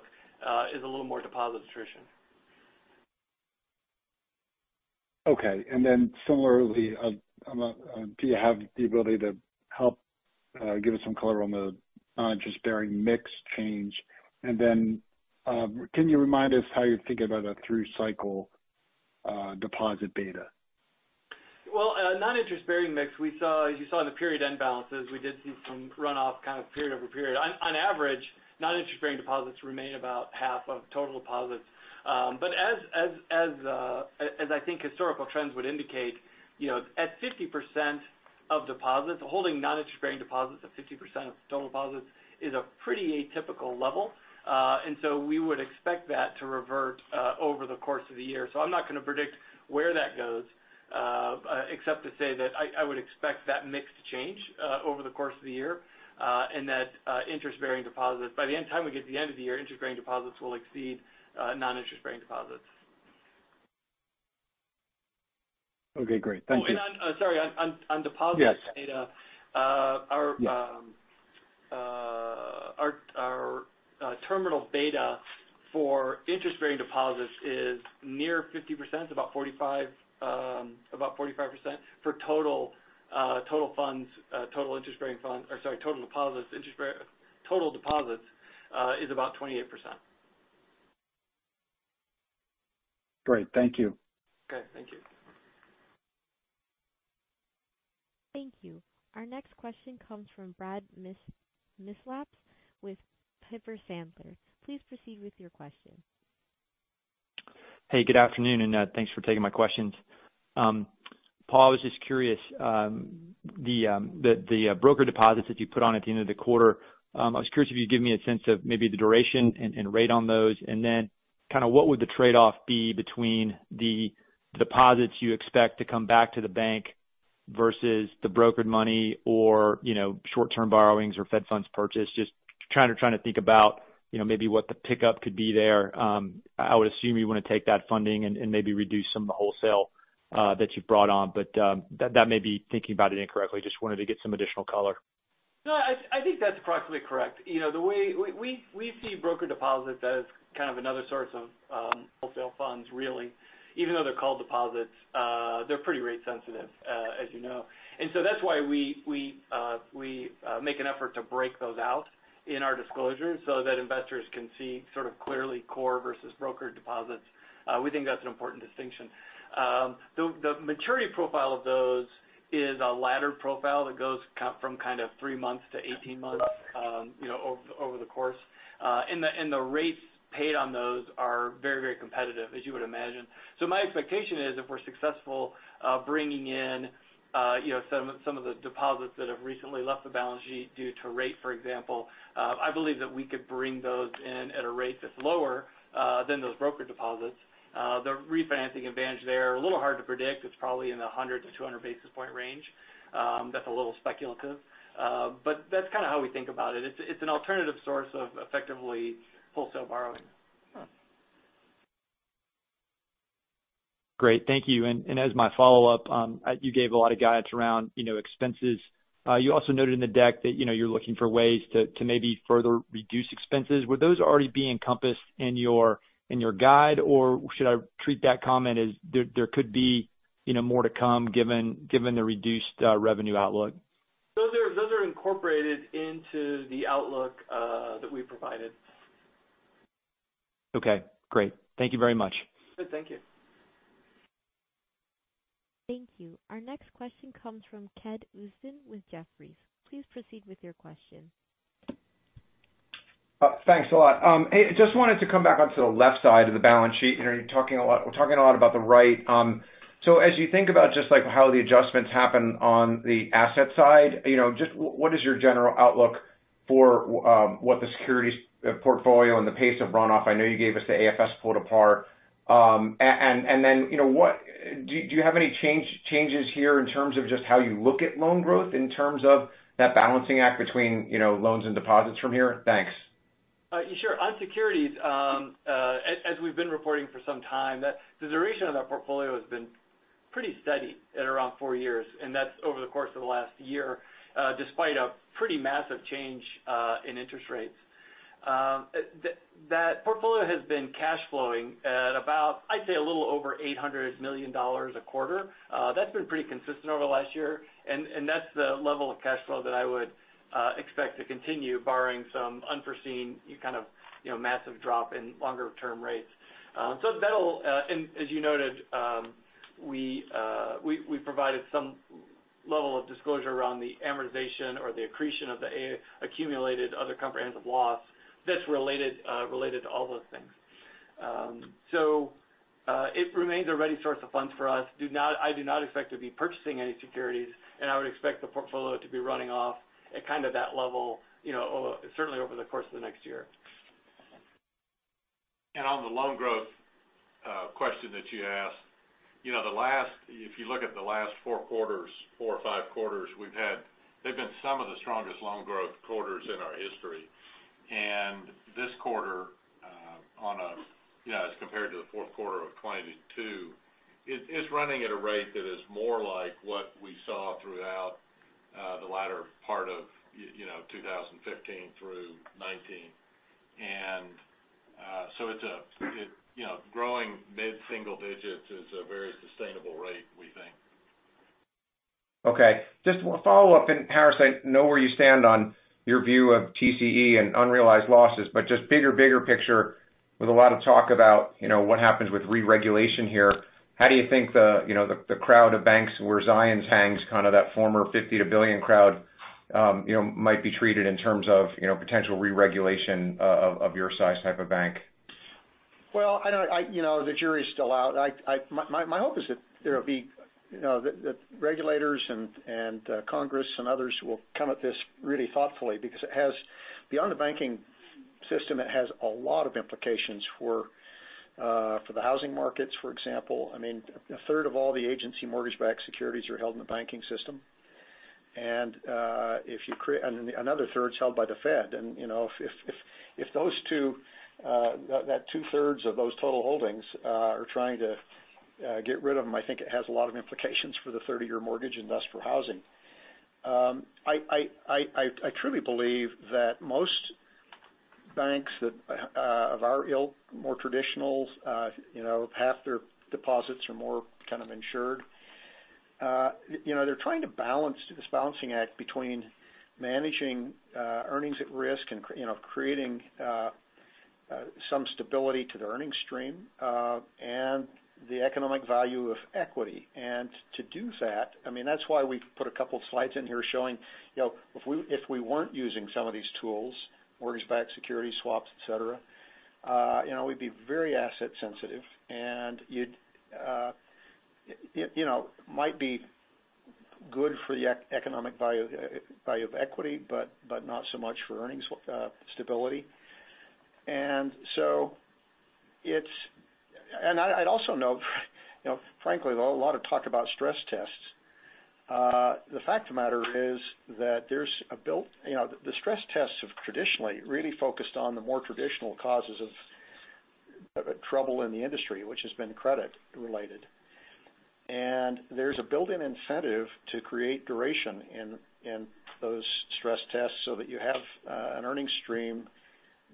is a little more deposit attrition. Okay. Similarly, do you have the ability to help give us some color on the non-interest-bearing mix change? Can you remind us how you're thinking about a through cycle deposit beta? Well, non-interest-bearing mix, as you saw in the period end balances, we did see some runoff kind of period over period. On average, non-interest-bearing deposits remain about half of total deposits. As I think historical trends would indicate, you know, at 50% of deposits, holding non-interest-bearing deposits of 50% of total deposits is a pretty atypical level. We would expect that to revert over the course of the year. I'm not gonna predict where that goes, except to say that I would expect that mix to change over the course of the year, and that interest-bearing deposits. By the end time we get to the end of the year, interest-bearing deposits will exceed non-interest-bearing deposits. Okay, great. Thank you. Oh, and on, sorry, on deposits data. Yes. our terminal beta for interest-bearing deposits is near 50%, about 45, about 45% for total funds, total interest-bearing funds or sorry, total deposits, is about 28%. Great. Thank you. Okay, thank you. Thank you. Our next question comes from Brad Milsaps with Piper Sandler. Please proceed with your question. Hey, good afternoon, and thanks for taking my questions. Paul, I was just curious, the broker deposits that you put on at the end of the quarter, I was curious if you'd give me a sense of maybe the duration and rate on those, and then kind of what would the trade-off be between the deposits you expect to come back to the bank versus the brokered money or, you know, short-term borrowings or Fed funds purchase? Just trying to think about, you know, maybe what the pickup could be there. I would assume you want to take that funding and maybe reduce some of the wholesale that you've brought on. That may be thinking about it incorrectly. Just wanted to get some additional color. No, I think that's approximately correct. You know, the way we see broker deposits as kind of another source of wholesale funds, really. Even though they're called deposits, they're pretty rate sensitive, as you know. That's why we make an effort to break those out in our disclosure so that investors can see sort of clearly core versus broker deposits. We think that's an important distinction. The maturity profile of those is a laddered profile that goes from kind of three months to 18 months, you know, over the course. And the rates paid on those are very competitive, as you would imagine. My expectation is if we're successful, bringing in, you know, some of the deposits that have recently left the balance sheet due to rate, for example, I believe that we could bring those in at a rate that's lower than those broker deposits. The refinancing advantage there, a little hard to predict. It's probably in the 100-200 basis point range. That's a little speculative, but that's kind of how we think about it. It's an alternative source of effectively wholesale borrowing. Great. Thank you. As my follow-up, you gave a lot of guidance around, you know, expenses. You also noted in the deck that, you know, you're looking for ways to maybe further reduce expenses. Would those already be encompassed in your guide, or should I treat that comment as there could be, you know, more to come given the reduced revenue outlook? Those are incorporated into the outlook that we provided. Okay, great. Thank you very much. Good. Thank you. Thank you. Our next question comes from Ken Usdin with Jefferies. Please proceed with your question. Thanks a lot. Hey, just wanted to come back onto the left side of the balance sheet. You know, you're talking a lot, we're talking a lot about the right. As you think about just like how the adjustments happen on the asset side, you know, what is your general outlook for what the securities portfolio and the pace of runoff? I know you gave us the AFS pull apart. Then, you know, do you have any changes here in terms of just how you look at loan growth in terms of that balancing act between, you know, loans and deposits from here? Thanks. Sure. On securities, as we've been reporting for some time, the duration of that portfolio has been pretty steady at around four years, and that's over the course of the last year, despite a pretty massive change in interest rates. That portfolio has been cash flowing at about, I'd say, a little over $800 million a quarter. That's been pretty consistent over the last year. That's the level of cash flow that I would expect to continue barring some unforeseen kind of, you know, massive drop in longer term rates. So that'll, and as you noted, we provided some level of disclosure around the amortization or the accretion of the accumulated other comprehensive loss that's related to all those things. It remains a ready source of funds for us. I do not expect to be purchasing any securities, and I would expect the portfolio to be running off at kind of that level, you know, certainly over the course of the next year. On the loan growth question that you asked, you know, if you look at the last four quarters, four or five quarters we've had, they've been some of the strongest loan growth quarters in our history. This quarter, you know, as compared to the fourth quarter of 2022, is running at a rate that is more like what we saw throughout the latter part of you know, 2015 through 2019. You know, growing mid-single digits is a very sustainable rate, we think. Okay. Just one follow-up. Harris, I know where you stand on your view of TCE and unrealized losses, but just bigger picture with a lot of talk about, you know, what happens with re-regulation here. How do you think the, you know, the crowd of banks where Zions hangs, kind of that former 50 to billion crowd, you know, might be treated in terms of, you know, potential re-regulation of your size type of bank? Well, you know, the jury is still out. My hope is that there will be, you know, the regulators and Congress and others will come at this really thoughtfully because it has beyond the banking system, it has a lot of implications for the housing markets, for example. I mean, a third of all the agency mortgage-backed securities are held in the banking system. Another third's held by the Fed. You know, if those two, that two-thirds of those total holdings are trying to get rid of them, I think it has a lot of implications for the 30-year mortgage and thus for housing. I truly believe that most banks that of our ilk, more traditionals, you know, half their deposits are more kind of insured. You know, they're trying to balance this balancing act between managing earnings at risk and you know, creating some stability to the earnings stream and the Economic Value of Equity. To do that, I mean, that's why we've put a couple of slides in here showing, you know, if we, if we weren't using some of these tools, mortgage-backed securities, swaps, et cetera, you know, we'd be very asset sensitive. You'd, you know, might be good for the Economic Value of Equity, but not so much for earnings stability. So I'd also note, you know, frankly, though a lot of talk about stress tests, the fact of the matter is that there's a built... You know, the stress tests have traditionally really focused on the more traditional causes of trouble in the industry, which has been credit related. There's a built-in incentive to create duration in those stress tests so that you have an earnings stream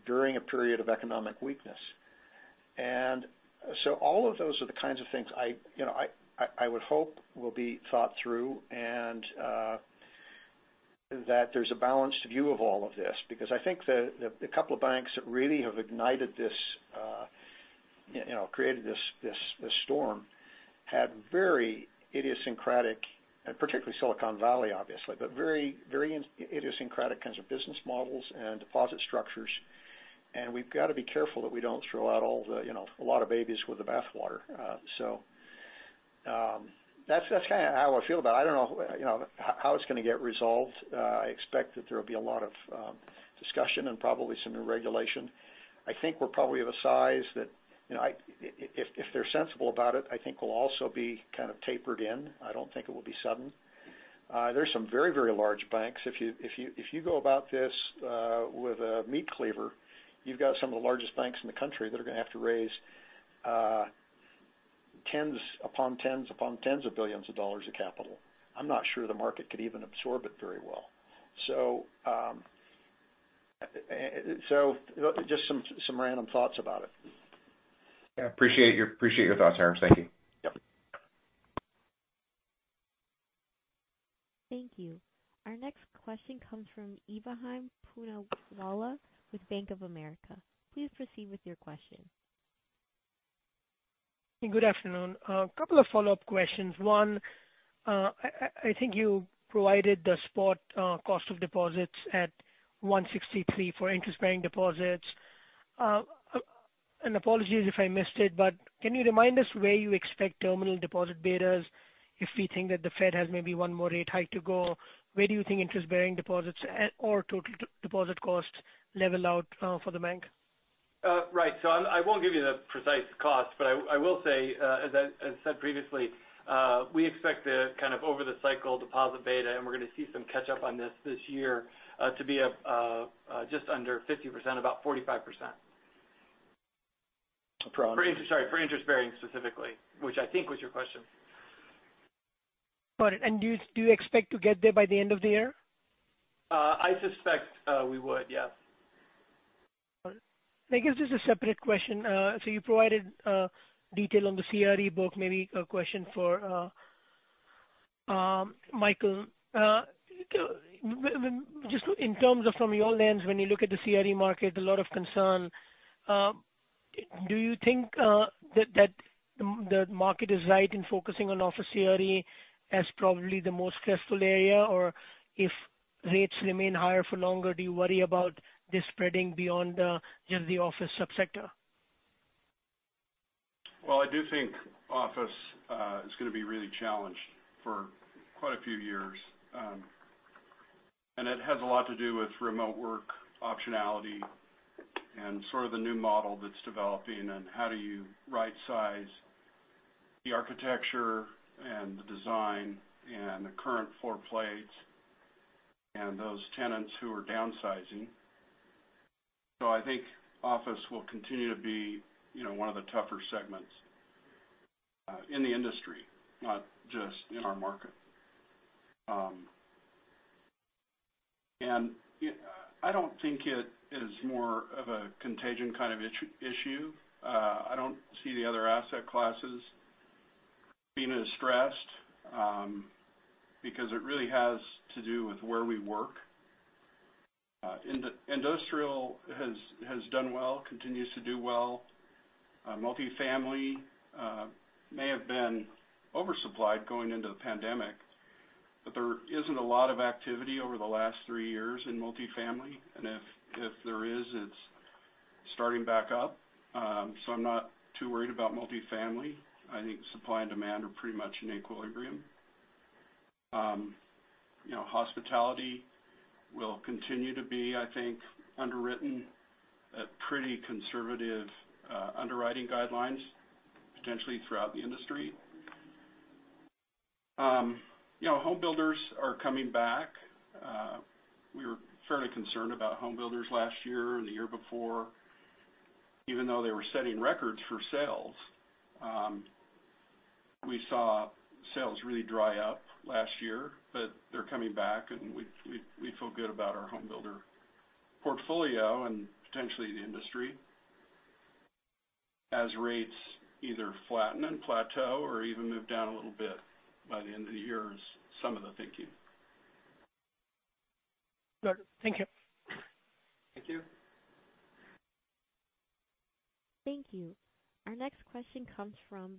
during a period of economic weakness. All of those are the kinds of things I, you know, I would hope will be thought through and that there's a balanced view of all of this because I think the couple of banks that really have ignited this, you know, created this storm had very idiosyncratic, and particularly Silicon Valley, obviously, but very idiosyncratic kinds of business models and deposit structures. We've got to be careful that we don't throw out all the, you know, a lot of babies with the bathwater. That's kind of how I feel about it. I don't know, you know, how it's going to get resolved. I expect that there will be a lot of discussion and probably some new regulation. I think we're probably of a size that, you know, if they're sensible about it, I think we'll also be kind of tapered in. I don't think it will be sudden. There's some very, very large banks. If you go about this with a meat cleaver, you've got some of the largest banks in the country that are going to have to raise tens upon tens upon tens of billions of dollars of capital. I'm not sure the market could even absorb it very well. Just some random thoughts about it. Yeah, appreciate your thoughts, Harris. Thank you. Yep. Thank you. Our next question comes from Ebrahim Poonawala with Bank of America. Please proceed with your question. Good afternoon. A couple of follow-up questions. One, I think you provided the spot cost of deposits at 1.63% for interest-bearing deposits. Apologies if I missed it, but can you remind us where you expect terminal deposit betas if we think that the Fed has maybe one more rate hike to go? Where do you think interest-bearing deposits at or total deposit costs level out for the bank? Right. I won't give you the precise cost, but I will say, as I said previously, we expect the kind of over the cycle deposit beta, and we're going to see some catch up on this this year, to be just under 50%, about 45%. Pro. Sorry, for interest bearing specifically, which I think was your question. Got it. Do you expect to get there by the end of the year? I suspect, we would, yes. Got it. I guess just a separate question. You provided detail on the CRE book, maybe a question for Michael. Just in terms of from your lens, when you look at the CRE market, a lot of concern. Do you think that the market is right in focusing on office CRE as probably the most stressful area? If rates remain higher for longer, do you worry about this spreading beyond just the office subsector? Well, I do think office is going to be really challenged for quite a few years. It has a lot to do with remote work optionality and sort of the new model that's developing and how do you right-size the architecture and the design and the current floor plates and those tenants who are downsizing. I think office will continue to be, you know, one of the tougher segments in the industry, not just in our market. I don't think it is more of a contagion kind of issue. I don't see the other asset classes being as stressed because it really has to do with where we work. Industrial has done well, continues to do well. Multifamily may have been oversupplied going into the pandemic, but there isn't a lot of activity over the last three years in multifamily. If there is, it's starting back up. I'm not too worried about multifamily. I think supply and demand are pretty much in equilibrium. You know, hospitality will continue to be, I think, underwritten at pretty conservative underwriting guidelines, potentially throughout the industry. You know, home builders are coming back. We were fairly concerned about home builders last year and the year before, even though they were setting records for sales. We saw sales really dry up last year, but they're coming back and we feel good about our home builder portfolio and potentially the industry. Rates either flatten and plateau or even move down a little bit by the end of the year is some of the thinking. Good. Thank you. Thank you. Thank you. Our next question comes from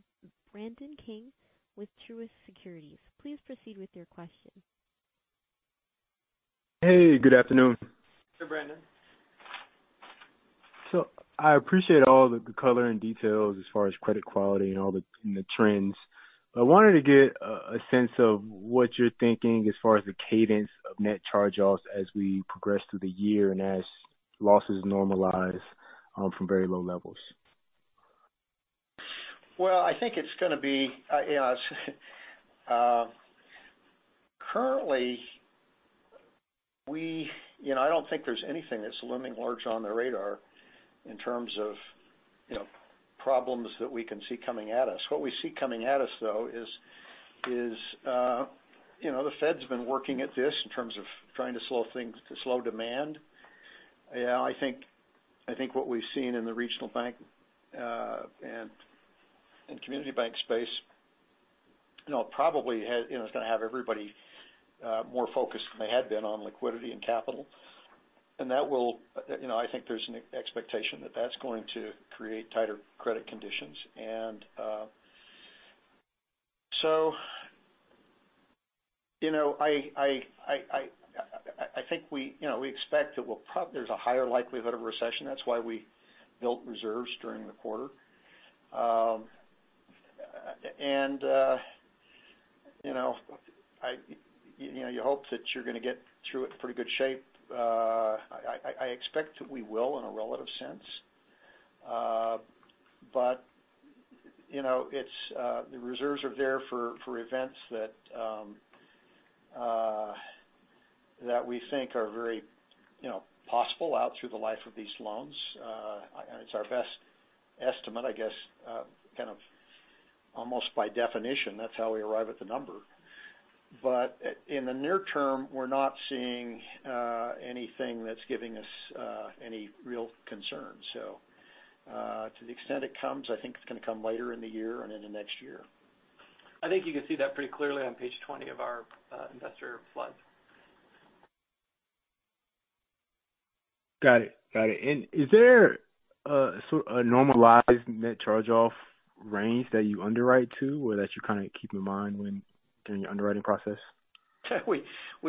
Brandon King with Truist Securities. Please proceed with your question. Hey, good afternoon. Hey, Brandon. I appreciate all the color and details as far as credit quality and all the, and the trends. I wanted to get a sense of what you're thinking as far as the cadence of net charge-offs as we progress through the year and as losses normalize from very low levels. I think it's gonna be, you know, currently we, you know, I don't think there's anything that's looming large on the radar in terms of, you know, problems that we can see coming at us. What we see coming at us, though, is, you know, the Fed's been working at this in terms of trying to slow things, to slow demand. I think, I think what we've seen in the regional bank, and community bank space, you know, probably has, you know, is gonna have everybody more focused than they had been on liquidity and capital. That will... You know, I think there's an expectation that that's going to create tighter credit conditions. You know, I think we, you know, we expect that we'll there's a higher likelihood of recession. Builtt reserves during the quarter. And, you know, I, you know, you hope that you're going to get through it in pretty good shape. I, I expect that we will in a relative sense. But, you know, it's the reserves are there for events that we think are very, you know, possible out through the life of these loans. And it's our best estimate, I guess, kind of almost by definition, that's how we arrive at the number. But at, in the near term, we're not seeing anything that's giving us any real concern. To the extent it comes, I think it's going to come later in the year and into next year. I think you can see that pretty clearly on page 20 of our investor slides. Got it. Is there a sort of a normalized net charge-off range that you underwrite to or that you kind of keep in mind when, during your underwriting process? We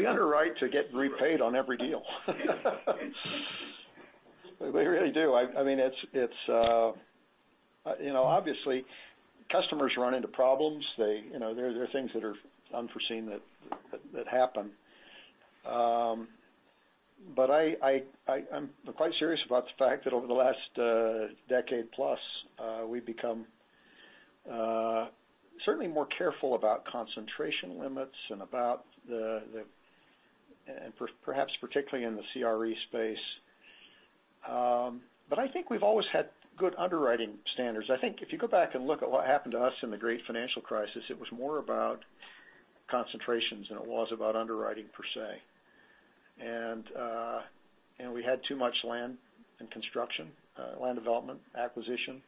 underwrite to get repaid on every deal. We really do. I mean, it's, you know, obviously customers run into problems. They, you know, there are things that are unforeseen that happen. I'm quite serious about the fact that over the last decade plus, we've become certainly more careful about concentration limits and about the perhaps particularly in the CRE space. I think we've always had good underwriting standards. I think if you go back and look at what happened to us in the great financial crisis, it was more about concentrations than it was about underwriting per se. We had too much land and construction, land development, acquisition.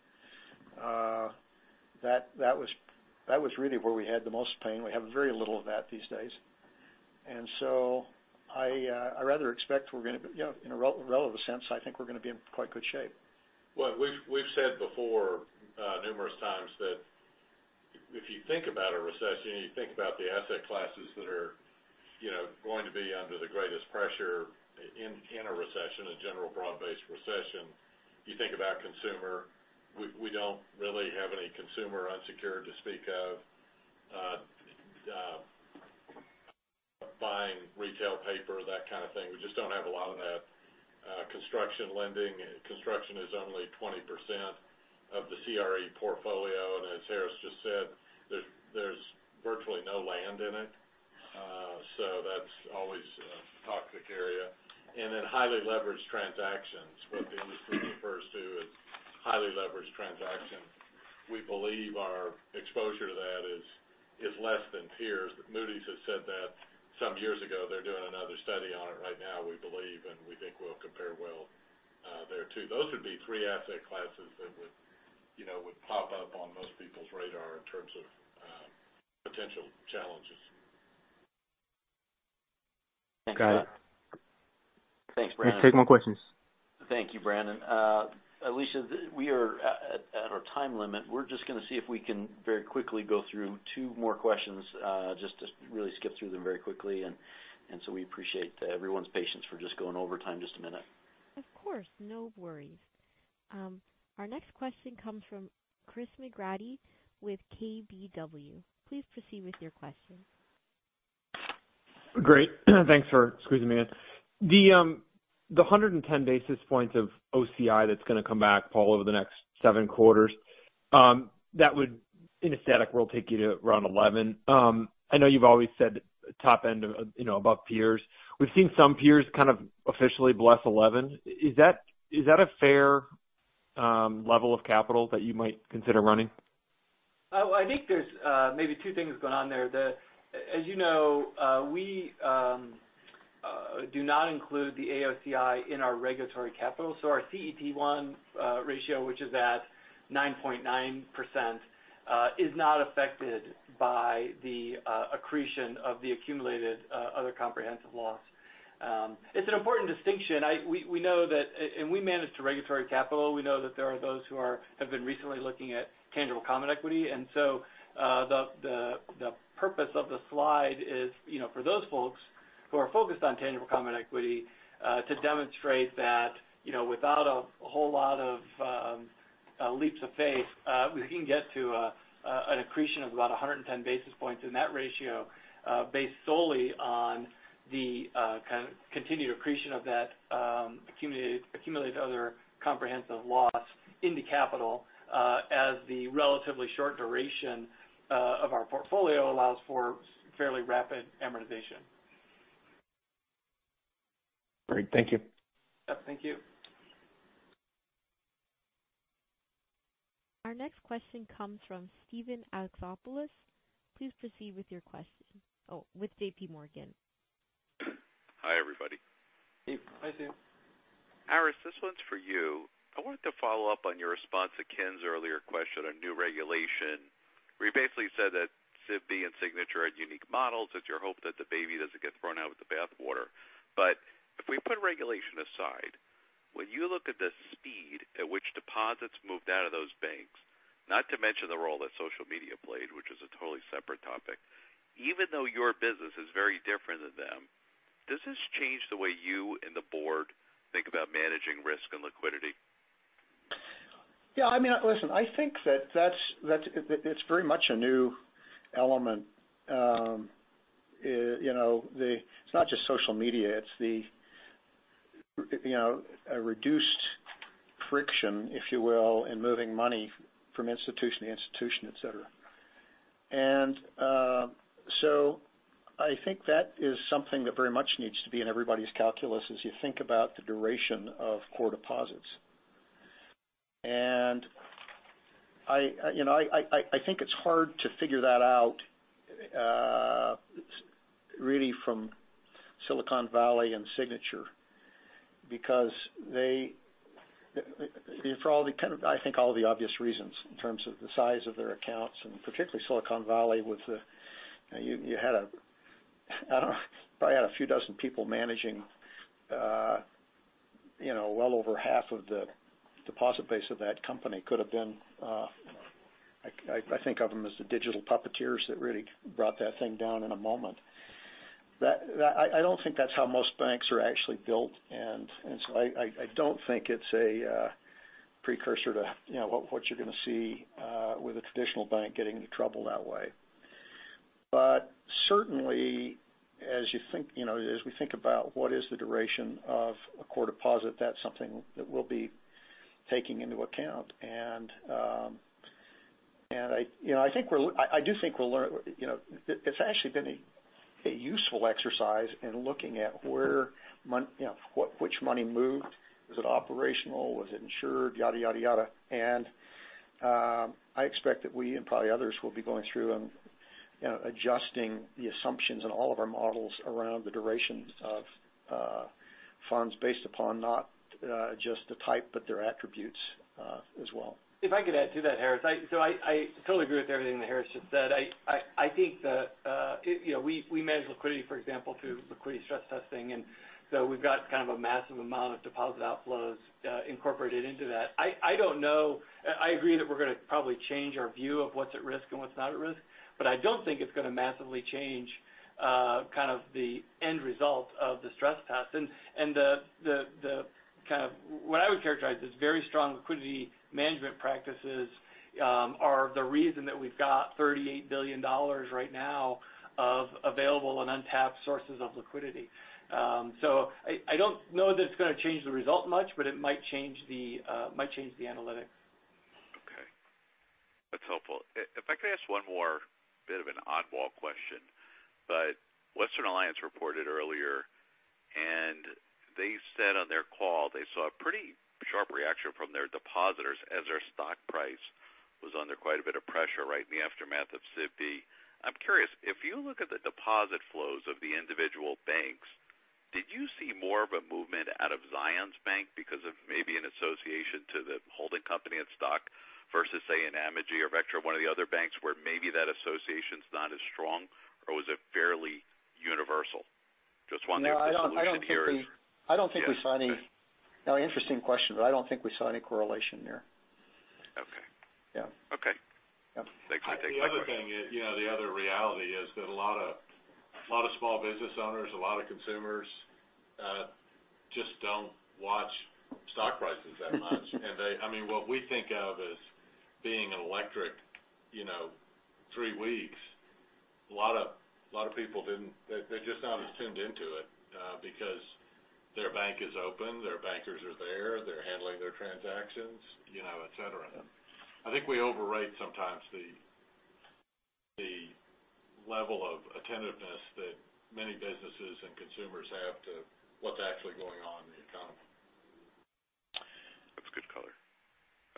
That was really where we had the most pain. We have very little of that these days. I rather expect we're gonna be, you know, in a relative sense, I think we're gonna be in quite good shape. Well, we've said before, numerous times that if you think about a recession and you think about the asset classes that are, you know, going to be under the greatest pressure in a recession, a general broad-based recession, you think about consumer. We don't really have any consumer unsecured to speak of. Buying retail paper, that kind of thing. We just don't have a lot of that. Construction lending. Construction is only 20% of the CRE portfolio. As Harris just said, there's virtually no land in it. That's always a toxic area. Highly leveraged transactions, what the industry refers to as highly leveraged transactions. We believe our exposure to that is less than peers. Moody's has said that some years ago. They're doing another study on it right now, we believe, and we think we'll compare well, there too. Those would be three asset classes that would, you know, would pop up on most people's radar in terms of potential challenges. Got it. Thanks, Brandon. Take more questions. Thank you, Brandon. Alicia, we are at our time limit. We're just gonna see if we can very quickly go through two more questions, just to really skip through them very quickly. We appreciate everyone's patience for just going over time just a minute. Of course. No worries. Our next question comes from Chris McGratty with KBW. Please proceed with your question. Great. Thanks for squeezing me in. The, the 110 basis points of OCI that's gonna come back, Paul, over the next seven quarters, that would in a static world take you to around 11%. I know you've always said top end of, you know, above peers. We've seen some peers kind of officially bless 11%. Is that, is that a fair level of capital that you might consider running? Oh, I think there's, maybe two things going on there. As you know, we, do not include the AOCI in our regulatory capital. Our CET1, ratio, which is at 9.9%, is not affected by the accretion of the accumulated other comprehensive loss. It's an important distinction. We know that, and we manage to regulatory capital. We know that there are those who have been recently looking at tangible common equity. The purpose of the slide is, you know, for those folks who are focused on tangible common equity, to demonstrate that, you know, without a whole lot of leaps of faith, we can get to an accretion of about 110 basis points in that ratio, based solely on the continued accretion of that accumulated other comprehensive loss into capital, as the relatively short duration of our portfolio allows for fairly rapid amortization. Great. Thank you. Yeah. Thank you. Our next question comes from Steven Alexopoulos. Please proceed with your question. Oh, with JP Morgan. Hi, everybody. Steve. Hi, Steve. Harris, this one's for you. I wanted to follow up on your response to Ken's earlier question on new regulation, where you basically said that SVB and Signature had unique models. It's your hope that the baby doesn't get thrown out with the bathwater. If we put regulation aside, when you look at the speed at which deposits moved out of those banks, not to mention the role that social media played, which is a totally separate topic, even though your business is very different than them, does this change the way you and the board think about managing risk and liquidity? Yeah. I mean, listen, I think that that's, it's very much a new element. You know, it's not just social media, it's the, you know, a reduced friction, if you will, in moving money from institution to institution, et cetera. I think that is something that very much needs to be in everybody's calculus as you think about the duration of core deposits. I, you know, I, I think it's hard to figure that out really from Silicon Valley and Signature because for all the kind of, I think all the obvious reasons in terms of the size of their accounts and particularly Silicon Valley with the... You had a probably had a few dozen people managing, you know, well over half of the deposit base of that company could have been, I think of them as the digital puppeteers that really brought that thing down in a moment. That, I don't think that's how most banks are actually built, and so I don't think it's a precursor to, you know, what you're going to see with a traditional bank getting into trouble that way. Certainly, as you think, you know, as we think about what is the duration of a core deposit, that's something that we'll be taking into account. I, you know, I think we're I do think we're learn, you know... It's actually been a useful exercise in looking at where you know, what, which money moved. Was it operational? Was it insured? Yada, yada. I expect that we and probably others will be going through and, you know, adjusting the assumptions in all of our models around the durations of funds based upon not just the type, but their attributes as well. If I could add to that, Harris. I totally agree with everything that Harris just said. I think that, you know, we manage liquidity, for example, through liquidity stress testing, we've got kind of a massive amount of deposit outflows incorporated into that. I don't know. I agree that we're gonna probably change our view of what's at risk and what's not at risk, but I don't think it's gonna massively change kind of the end result of the stress test. The kind of what I would characterize as very strong liquidity management practices are the reason that we've got $38 billion right now of available and untapped sources of liquidity. I don't know that it's gonna change the result much, but it might change the analytics. Okay. That's helpful. If I could ask one more bit of an oddball question, but Western Alliance reported earlier, and they said on their call they saw a pretty sharp reaction from their depositors as their stock price was under quite a bit of pressure right in the aftermath of SIVB. I'm curious, if you look at the deposit flows of the individual banks, did you see more of a movement out of Zions Bank because of maybe an association to the holding company and stock versus, say, an Amegy or Vectra or one of the other banks where maybe that association's not as strong, or was it fairly universal? Just wondering if the solution here is- No, I don't think. Yeah. Okay. No, interesting question, but I don't think we saw any correlation there. Okay. Yeah. Okay. Yeah. Thanks. The other thing is, you know, the other reality is that a lot of small business owners, a lot of consumers, just don't watch stock prices that much. I mean, what we think of as being an electric, you know, three weeks, a lot of people didn't. They're just not attuned into it, because their bank is open, their bankers are there, they're handling their transactions, you know, et cetera. I think we overrate sometimes the level of attentiveness that many businesses and consumers have to what's actually going on in the economy. That's good color.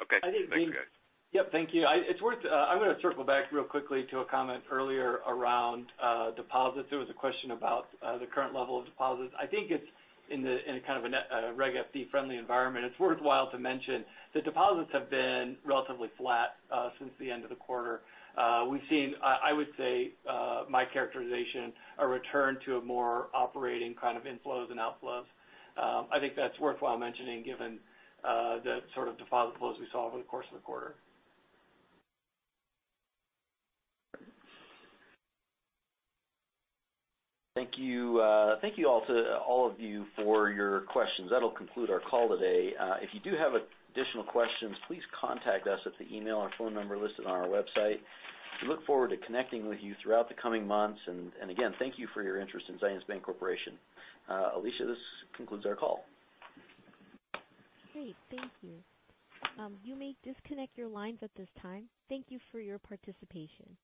Okay. I think, Dean. Thanks, guys. Yep. Thank you. I'm gonna circle back real quickly to a comment earlier around deposits. There was a question about the current level of deposits. I think it's in a kind of a net Reg FD friendly environment. It's worthwhile to mention that deposits have been relatively flat since the end of the quarter. We've seen, I would say, my characterization, a return to a more operating kind of inflows and outflows. I think that's worthwhile mentioning given the sort of deposit flows we saw over the course of the quarter. Thank you. Thank you all to all of you for your questions. That'll conclude our call today. If you do have additional questions, please contact us at the email or phone number listed on our website. We look forward to connecting with you throughout the coming months. Again, thank you for your interest in Zions Bancorporation. Alicia, this concludes our call. Great. Thank you. You may disconnect your lines at this time. Thank you for your participation.